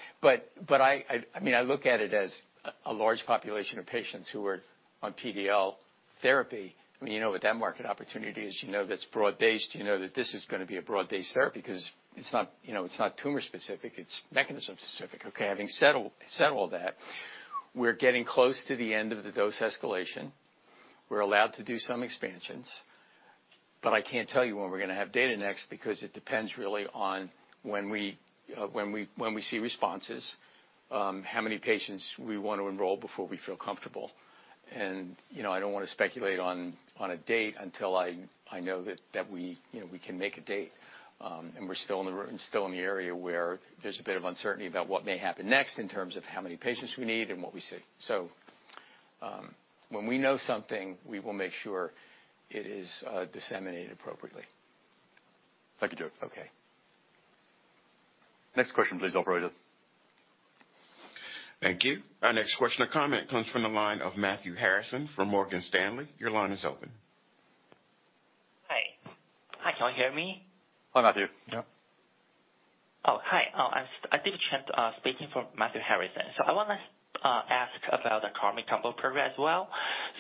Speaker 4: mean, I look at it as a large population of patients who are on PD-L1 therapy. I mean, you know what that market opportunity is. You know that's broad-based. You know that this is gonna be a broad-based therapy because it's not, you know, it's not tumor specific, it's mechanism specific. Okay, having settled all that, we're getting close to the end of the dose escalation. We're allowed to do some expansions, but I can't tell you when we're gonna have data next because it depends really on when we see responses, how many patients we want to enroll before we feel comfortable. You know, I don't wanna speculate on a date until I know that we, you know, we can make a date. We're still in the area where there's a bit of uncertainty about what may happen next in terms of how many patients we need and what we see. When we know something, we will make sure it is disseminated appropriately.
Speaker 2: Thank you, Joe.
Speaker 4: Okay.
Speaker 2: Next question, please, operator.
Speaker 5: Thank you. Our next question or comment comes from the line of Matthew Harrison from Morgan Stanley. Your line is open.
Speaker 7: Hi. Hi, can you hear me?
Speaker 2: Hello, Matthew.
Speaker 4: Yeah.
Speaker 7: This is Trent speaking for Matthew Harrison. I wanna ask about the Cami combo program as well.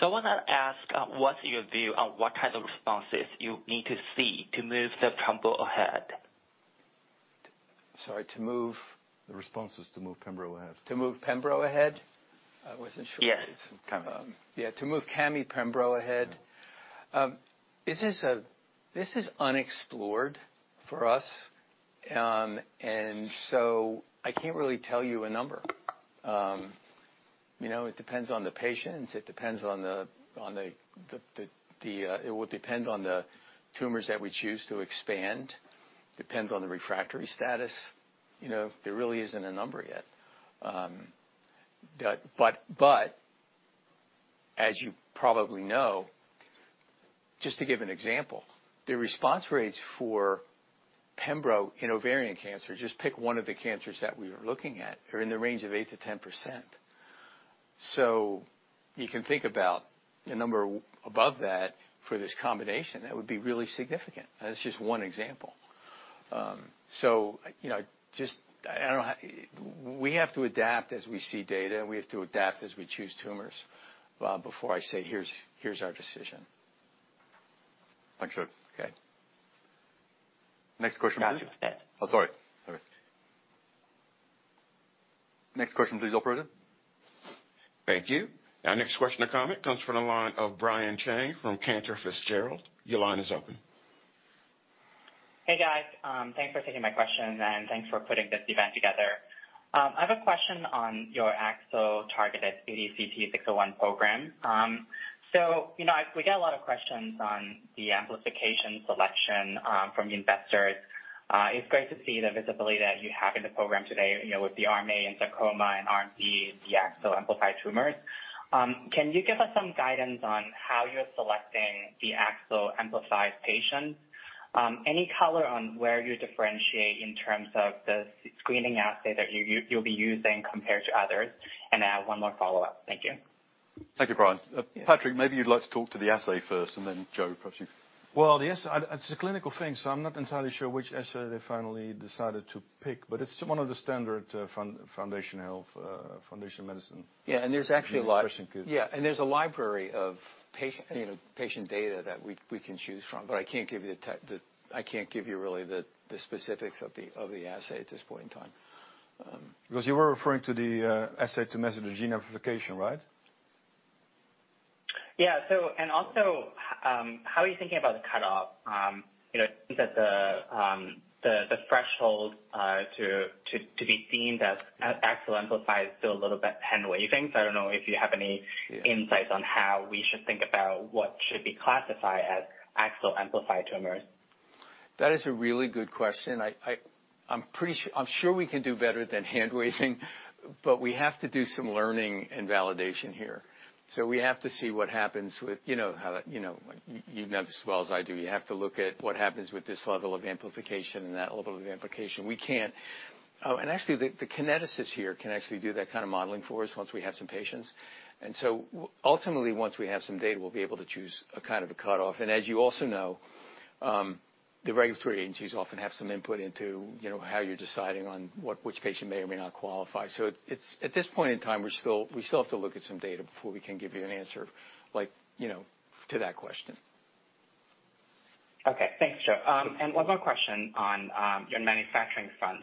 Speaker 7: What's your view on what kind of responses you need to see to move the combo ahead?
Speaker 4: Sorry, to move?
Speaker 2: The responses to move pembrolizumab ahead.
Speaker 4: To move pembrolizumab ahead? I wasn't sure.
Speaker 7: Yes. Combo.
Speaker 4: To move Cami pembrolizumab ahead. This is unexplored for us. I can't really tell you a number. You know, it depends on the patients. It depends on the tumors that we choose to expand. It depends on the refractory status. You know, there really isn't a number yet. As you probably know, just to give an example, the response rates for pembrolizumab in ovarian cancer, just pick one of the cancers that we were looking at, are in the range of 8%-10%. You can think about a number above that for this combination that would be really significant. That's just one example. You know, we have to adapt as we see data, and we have to adapt as we choose tumors before I say, "Here's our decision.
Speaker 2: Thanks, Joe.
Speaker 4: Okay.
Speaker 2: Next question, please.
Speaker 7: Got you. Yeah.
Speaker 2: Oh, sorry. Next question, please, operator.
Speaker 5: Thank you. Our next question or comment comes from the line of Brian Cheng from Cantor Fitzgerald. Your line is open.
Speaker 8: Hey, guys. Thanks for taking my questions, and thanks for putting this event together. I have a question on your AXL-targeted ADCT-601 program. So, you know, we get a lot of questions on the amplification selection from the investors. It's great to see the visibility that you have in the program today, you know, with the TMA and sarcoma and TMAs, the AXL-amplified tumors. Can you give us some guidance on how you're selecting the AXL-amplified patients? Any color on where you differentiate in terms of the screening assay that you'll be using compared to others? And I have one more follow-up. Thank you.
Speaker 2: Thank you, Brian. Patrick, maybe you'd like to talk to the assay first, and then Joe, perhaps you-
Speaker 3: Well, the assay, it's a clinical thing, so I'm not entirely sure which assay they finally decided to pick, but it's one of the standard foundational, Foundation Medicine.
Speaker 4: Yeah. There's actually a li-
Speaker 3: The question could-
Speaker 4: Yeah. There's a library of patient data that we can choose from, but I can't give you really the specifics of the assay at this point in time.
Speaker 3: Because you were referring to the assay to measure the gene amplification, right?
Speaker 8: And also, how are you thinking about the cutoff? You know, since the threshold to be seen as AXL-amplified is still a little bit hand-waving. I don't know if you have any-
Speaker 4: Yeah.
Speaker 8: Insights on how we should think about what should be classified as AXL-amplified tumor?
Speaker 4: That is a really good question. I'm sure we can do better than hand-waving, but we have to do some learning and validation here. We have to see what happens with, you know, how that, you know, you know this as well as I do. You have to look at what happens with this level of amplification and that level of amplification. Actually, the kineticists here can actually do that kind of modeling for us once we have some patients. Ultimately, once we have some data, we'll be able to choose a kind of a cutoff. As you also know, the regulatory agencies often have some input into, you know, how you're deciding on which patient may or may not qualify. It's at this point in time. We still have to look at some data before we can give you an answer like, you know, to that question.
Speaker 8: Okay. Thanks, Joe. One more question on your manufacturing front.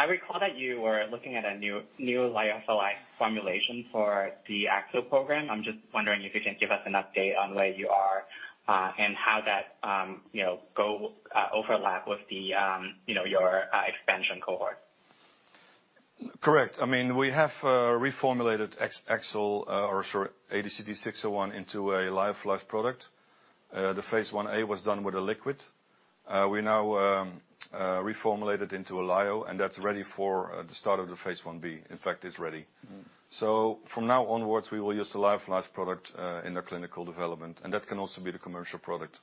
Speaker 8: I recall that you were looking at a new lyophilized formulation for the AXL program. I'm just wondering if you can give us an update on where you are, and how that, you know, overlaps with the, you know, your expansion cohort.
Speaker 3: Correct. I mean, we have reformulated ADCT-601 into a lyophilized product. The phase I-A was done with a liquid. We now reformulated into a lyo, and that's ready for the start of the phase I-B. In fact, it's ready.
Speaker 4: Mm.
Speaker 3: From now onwards, we will use the lyophilized product in the clinical development, and that can also be the commercial product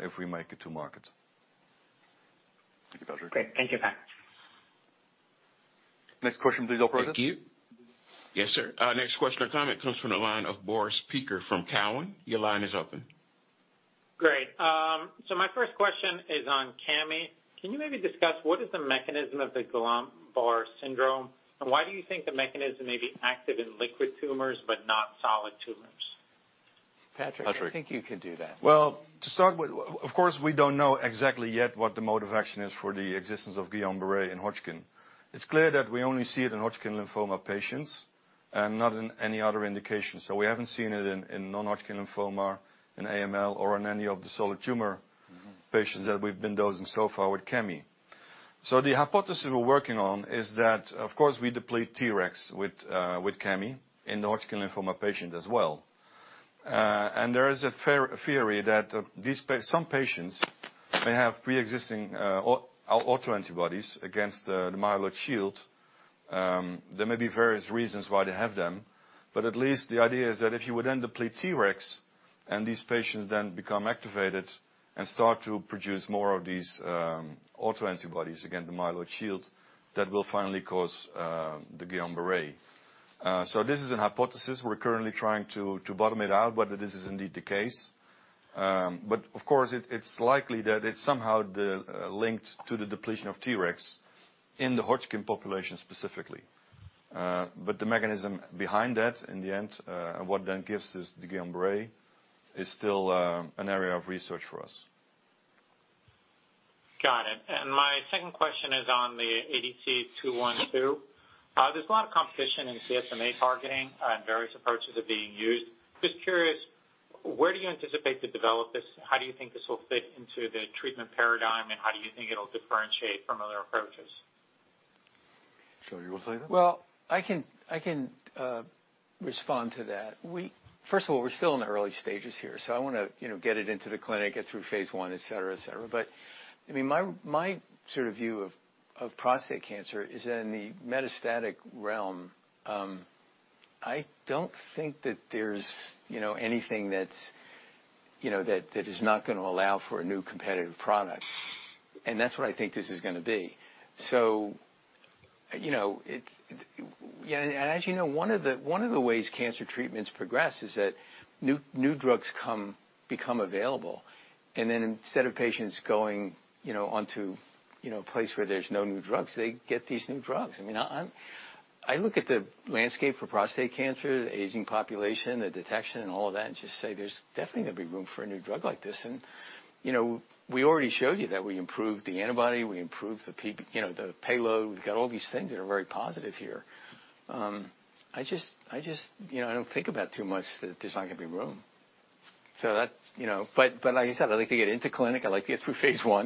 Speaker 3: if we make it to market.
Speaker 8: Great. Thank you, Pat.
Speaker 4: Next question please, operator.
Speaker 3: Thank you.
Speaker 5: Yes, sir. Next question or comment comes from the line of Boris Peaker from Cowen. Your line is open.
Speaker 9: Great. My first question is on Cami. Can you maybe discuss what is the mechanism of the Guillain-Barré syndrome? Why do you think the mechanism may be active in liquid tumors but not solid tumors?
Speaker 4: Patrick, I think you could do that.
Speaker 3: Well, to start with, of course, we don't know exactly yet what the mode of action is for the existence of Guillain-Barré in Hodgkin. It's clear that we only see it in Hodgkin lymphoma patients and not in any other indications. We haven't seen it in non-Hodgkin lymphoma, in AML or in any of the solid tumor patients that we've been dosing so far with Cami. The hypothesis we're working on is that, of course, we deplete Tregs with Cami in the Hodgkin lymphoma patient as well. There is a fair theory that some patients may have pre-existing autoantibodies against the myelin sheath. There may be various reasons why they have them, but at least the idea is that if you would then deplete Tregs and these patients then become activated and start to produce more of these autoantibodies against the myelin sheath, that will finally cause the Guillain-Barré. This is a hypothesis. We're currently trying to bottom it out whether this is indeed the case. Of course, it's likely that it's somehow linked to the depletion of Tregs in the Hodgkin population specifically. The mechanism behind that in the end and what then gives this the Guillain-Barré is still an area of research for us.
Speaker 9: Got it. My second question is on the ADCT-212. There's a lot of competition in PSMA targeting and various approaches are being used. Just curious, where do you anticipate to develop this? How do you think this will fit into the treatment paradigm, and how do you think it'll differentiate from other approaches?
Speaker 3: You wanna take that?
Speaker 4: Well, I can respond to that. First of all, we're still in the early stages here, so I wanna, you know, get it into the clinic, get through phase I, et cetera. I mean, my sort of view of prostate cancer is that in the metastatic realm, I don't think that there's, you know, anything that's, you know, that is not gonna allow for a new competitive product. That's what I think this is gonna be. You know, it's yeah, and as you know, one of the ways cancer treatments progress is that new drugs become available. Then instead of patients going, you know, onto, you know, a place where there's no new drugs, they get these new drugs. I mean, I look at the landscape for prostate cancer, the aging population, the detection and all of that, and just say there's definitely gonna be room for a new drug like this. You know, we already showed you that we improved the antibody, we improved the payload. We've got all these things that are very positive here. I just, you know, I don't think about too much that there's not gonna be room. That, you know. But like I said, I'd like to get into clinic, I'd like to get through phase I,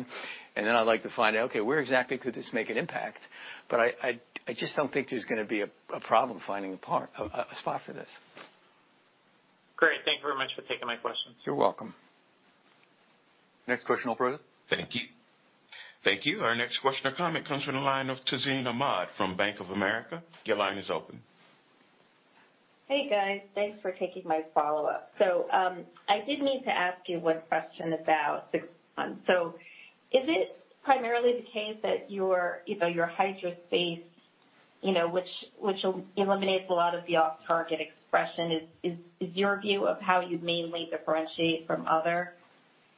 Speaker 4: and then I'd like to find out, okay, where exactly could this make an impact? But I just don't think there's gonna be a problem finding a spot for this.
Speaker 9: Great. Thank you very much for taking my questions.
Speaker 4: You're welcome.
Speaker 3: Next question, operator.
Speaker 5: Thank you. Thank you. Our next question or comment comes from the line of Tazeen Ahmad from Bank of America. Your line is open.
Speaker 6: Hey, guys. Thanks for taking my follow-up. I did need to ask you one question. Is it primarily the case that your, you know, your HydraSpace, you know, which eliminates a lot of the off-target expression is your view of how you mainly differentiate from other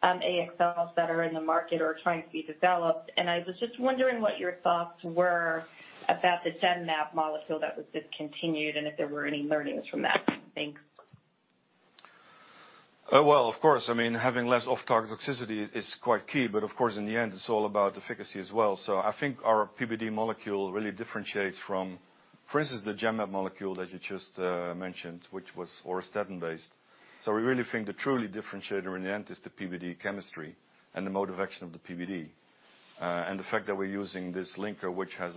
Speaker 6: AXLs that are in the market or trying to be developed? I was just wondering what your thoughts were about the Genmab molecule that was discontinued and if there were any learnings from that. Thanks.
Speaker 3: Oh, well, of course. I mean, having less off-target toxicity is quite key, but of course, in the end, it's all about efficacy as well. I think our PBD molecule really differentiates from, for instance, the Genmab molecule that you just mentioned, which was auristatin-based. We really think the true differentiator in the end is the PBD chemistry and the mode of action of the PBD. The fact that we're using this linker, which has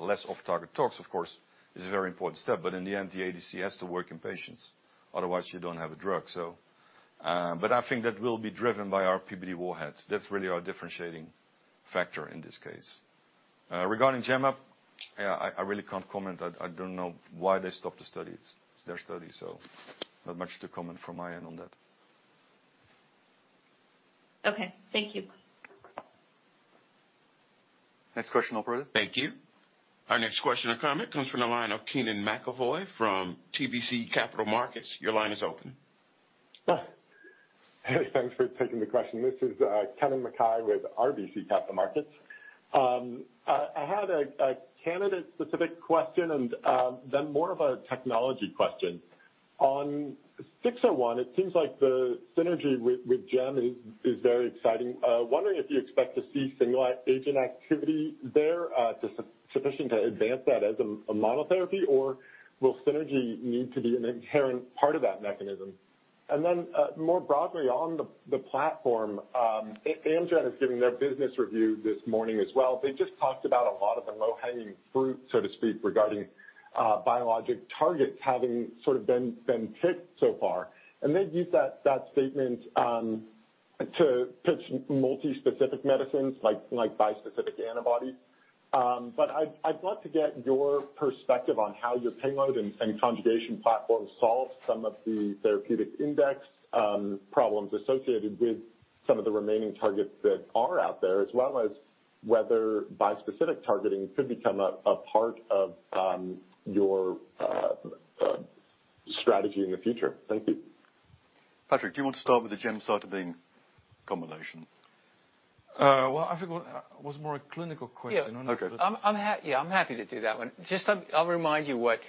Speaker 3: less off-target tox, of course, is a very important step. In the end, the ADC has to work in patients, otherwise you don't have a drug. I think that will be driven by our PBD warhead. That's really our differentiating factor in this case. Regarding Genmab, I really can't comment. I don't know why they stopped the studies. It's their study, so not much to comment from my end on that.
Speaker 6: Okay, thank you.
Speaker 3: Next question, operator.
Speaker 5: Thank you. Our next question or comment comes from the line of Kennen MacKay from RBC Capital Markets. Your line is open.
Speaker 10: Hey, thanks for taking the question. This is Kennen MacKay with RBC Capital Markets. I had a candidate-specific question and then more of a technology question. On 601, it seems like the synergy with GEM is very exciting. Wondering if you expect to see single-agent activity there, sufficient to advance that as a monotherapy, or will synergy need to be an inherent part of that mechanism? Then more broadly, on the platform, Amgen is giving their business review this morning as well. They just talked about a lot of the low-hanging fruit, so to speak, regarding biologic targets having sort of been picked so far. They've used that statement to pitch multi-specific medicines like bispecific antibodies. I'd love to get your perspective on how your payload and conjugation platform solves some of the therapeutic index problems associated with some of the remaining targets that are out there, as well as whether bispecific targeting could become a part of your strategy in the future. Thank you.
Speaker 2: Patrick, do you want to start with the gemcitabine combination?
Speaker 3: It was more a clinical question.
Speaker 4: Yeah.
Speaker 3: Okay.
Speaker 4: I'm happy to do that one. Just, I'll remind you what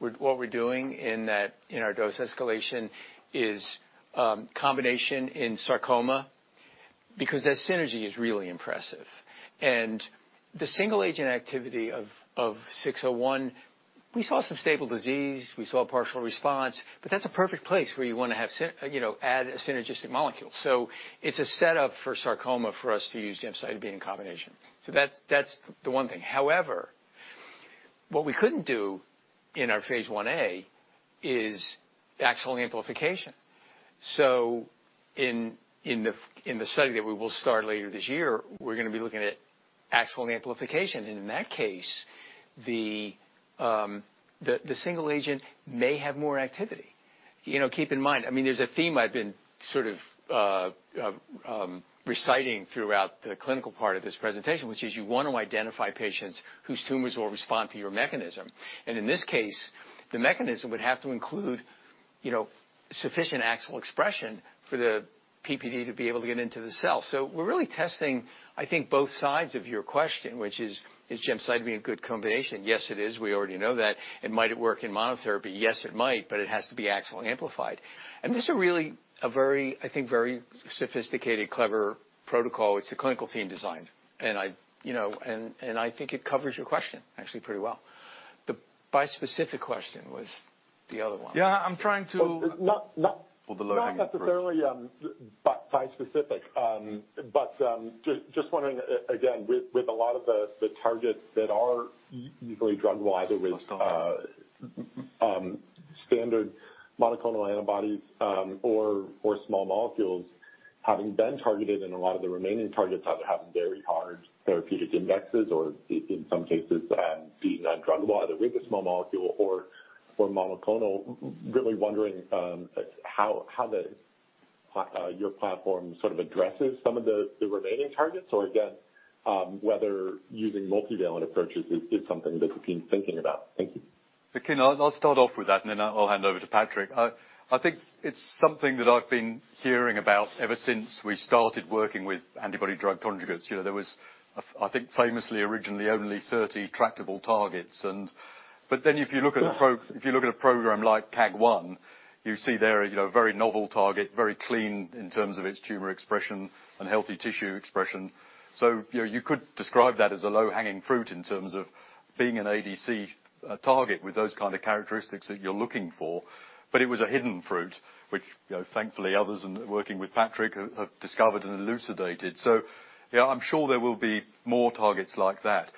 Speaker 4: we're doing in our dose escalation is combination in sarcoma because that synergy is really impressive. The single agent activity of 601, we saw some stable disease, we saw partial response, but that's a perfect place where you wanna have you know, add a synergistic molecule. It's a setup for sarcoma for us to use gemcitabine combination. That's the one thing. However, what we couldn't do in our phase I A is AXL amplification. In the study that we will start later this year, we're gonna be looking at AXL amplification. In that case, the single agent may have more activity. You know, keep in mind, I mean, there's a theme I've been sort of reciting throughout the clinical part of this presentation, which is you want to identify patients whose tumors will respond to your mechanism. In this case, the mechanism would have to include, you know, sufficient AXL expression for the PBD to be able to get into the cell. We're really testing, I think, both sides of your question, which is gemcitabine a good combination? Yes, it is. We already know that. Might it work in monotherapy? Yes, it might, but it has to be AXL amplified. This is a really, a very, I think, very sophisticated, clever protocol, which the clinical team designed. I, you know, I think it covers your question actually pretty well. The bispecific question was the other one.
Speaker 2: Yeah, I'm trying to.
Speaker 10: Not, not-
Speaker 2: For the low-hanging fruit....
Speaker 10: not necessarily bispecific. Just wondering, again, with a lot of the targets that are usually druggable with standard monoclonal antibodies or small molecules having been targeted and a lot of the remaining targets have to have very hard therapeutic indexes, or in some cases being undruggable, either with a small molecule or monoclonal, really wondering like how your platform sort of addresses some of the remaining targets, or again whether using multivalent approaches is something that the team's thinking about. Thank you.
Speaker 2: Kennen, I'll start off with that, and then I'll hand over to Patrick. I think it's something that I've been hearing about ever since we started working with antibody-drug conjugates. You know, there was. I think famously originally only 30 tractable targets. If you look at a program like KAAG1, you see there, you know, a very novel target, very clean in terms of its tumor expression and healthy tissue expression. You know, you could describe that as a low-hanging fruit in terms of being an ADC target with those kind of characteristics that you're looking for. But it was a hidden fruit, which, you know, thankfully others and working with Patrick have discovered and elucidated. Yeah, I'm sure there will be more targets like that.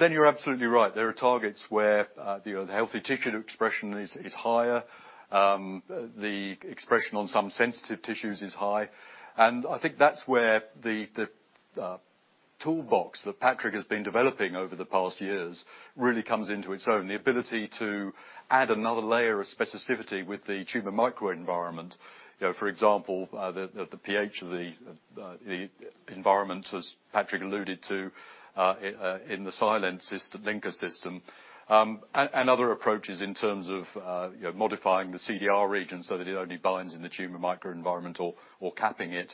Speaker 2: You're absolutely right. There are targets where, you know, the healthy tissue expression is higher. The expression on some sensitive tissues is high. I think that's where the toolbox that Patrick has been developing over the past years really comes into its own. The ability to add another layer of specificity with the tumor microenvironment, you know, for example, the pH of the environment, as Patrick alluded to, in the selenol linker system, and other approaches in terms of, you know, modifying the CDR region so that it only binds in the tumor microenvironment or capping it.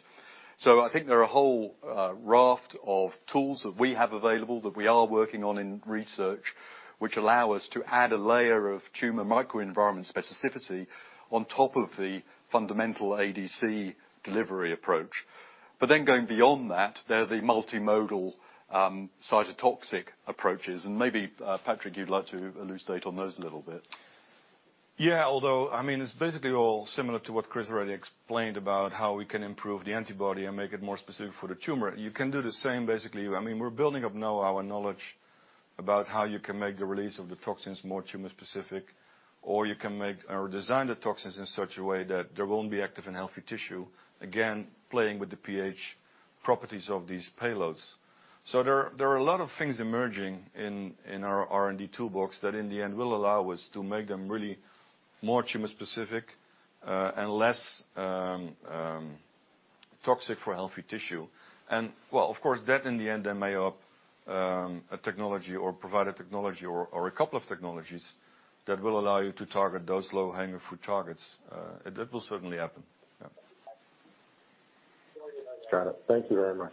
Speaker 2: I think there are a whole raft of tools that we have available that we are working on in research, which allow us to add a layer of tumor microenvironment specificity on top of the fundamental ADC delivery approach. Going beyond that, there's a multimodal cytotoxic approaches. Maybe, Patrick, you'd like to elucidate on those a little bit.
Speaker 3: Yeah. Although, I mean, it's basically all similar to what Chris already explained about how we can improve the antibody and make it more specific for the tumor. You can do the same, basically. I mean, we're building up now our knowledge about how you can make the release of the toxins more tumor specific, or you can make or design the toxins in such a way that they won't be active in healthy tissue. Again, playing with the pH properties of these payloads. There are a lot of things emerging in our R&D toolbox that in the end will allow us to make them really more tumor-specific, and less toxic for healthy tissue. Well, of course, that in the end may provide a technology or a couple of technologies that will allow you to target those low-hanging fruit targets. That will certainly happen. Yeah.
Speaker 10: Got it. Thank you very much.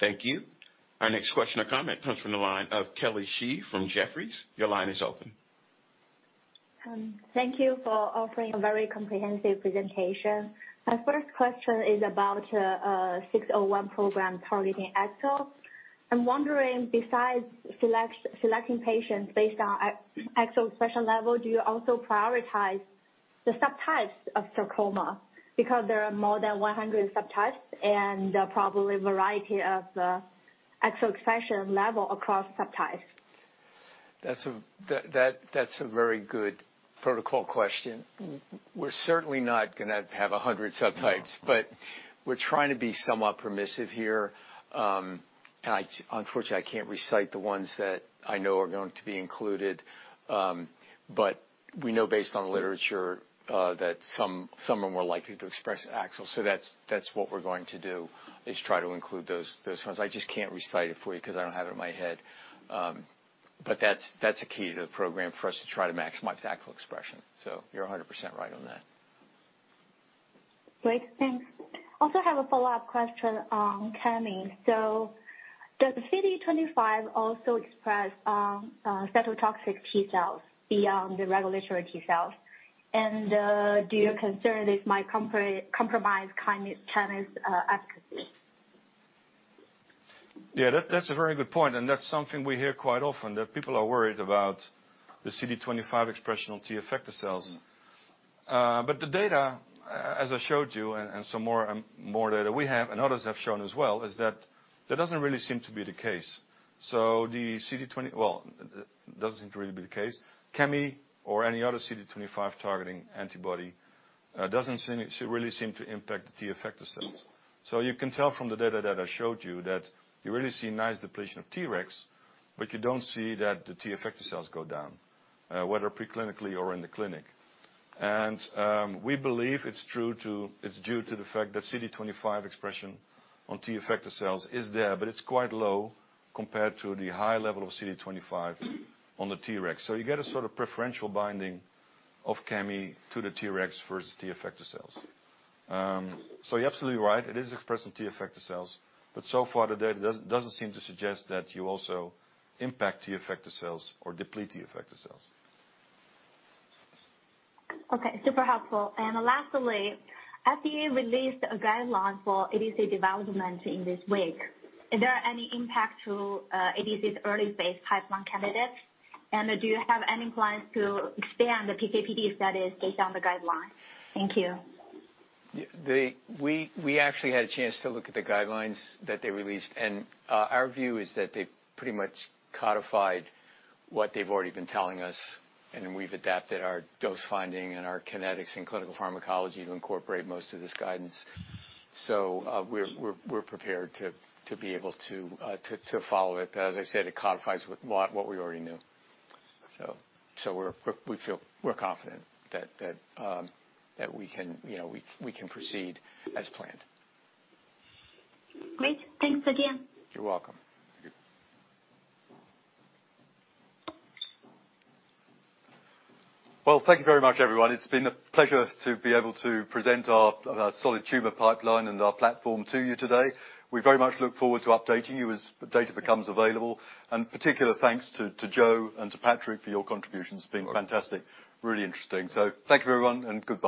Speaker 5: Thank you. Our next question or comment comes from the line of Kelly Shi from Jefferies. Your line is open.
Speaker 11: Thank you for offering a very comprehensive presentation. My first question is about ADCT-601 program targeting AXL. I'm wondering, besides selecting patients based on AXL expression level, do you also prioritize the subtypes of sarcoma? Because there are more than 100 subtypes and there are probably a variety of AXL expression level across subtypes.
Speaker 4: That's a very good protocol question. We're certainly not gonna have 100 subtypes.
Speaker 3: No.
Speaker 4: We're trying to be somewhat permissive here. Unfortunately, I can't recite the ones that I know are going to be included. We know based on literature that some are more likely to express AXL, so that's what we're going to do, is try to include those ones. I just can't recite it for you 'cause I don't have it in my head. That's a key to the program for us to try to maximize AXL expression. You're 100% right on that.
Speaker 11: Great. Thanks. I also have a follow-up question on Cami. Does CD25 also express a cytotoxic T-cells beyond the regulatory T-cells? Do you consider this might compromise Cami's efficacy?
Speaker 3: Yeah, that's a very good point, and that's something we hear quite often, that people are worried about the CD25 expression on T effector cells. But the data, as I showed you and some more data we have and others have shown as well, is that that doesn't really seem to be the case. So, doesn't seem to really be the case. Cami or any other CD25 targeting antibody doesn't really seem to impact the T effector cells. So you can tell from the data that I showed you that you really see nice depletion of Tregs, but you don't see that the T effector cells go down, whether preclinically or in the clinic. We believe it's due to the fact that CD25 expression on T effector cells is there, but it's quite low compared to the high level of CD25 on the Tregs. You get a sort of preferential binding of Cami to the Tregs versus T effector cells. You're absolutely right, it is expressed in T effector cells, but so far the data doesn't seem to suggest that you also impact T effector cells or deplete T effector cells.
Speaker 11: Okay, super helpful. Lastly, FDA released a guideline for ADC development this week. Is there any impact to ADC's early phase pipeline candidates? Do you have any plans to expand the PK/PD studies based on the guidelines? Thank you.
Speaker 4: We actually had a chance to look at the guidelines that they released, and our view is that they pretty much codified what they've already been telling us, and we've adapted our dose finding and our kinetics and clinical pharmacology to incorporate most of this guidance. We're prepared to be able to follow it. As I said, it codifies what we already knew. We feel we're confident that we can, you know, proceed as planned.
Speaker 11: Great. Thanks again.
Speaker 4: You're welcome.
Speaker 2: Well, thank you very much, everyone. It's been a pleasure to be able to present our solid tumor pipeline and our platform to you today. We very much look forward to updating you as data becomes available. Particular thanks to Joe and to Patrick for your contributions. It's been fantastic. Really interesting. Thank you, everyone, and good night.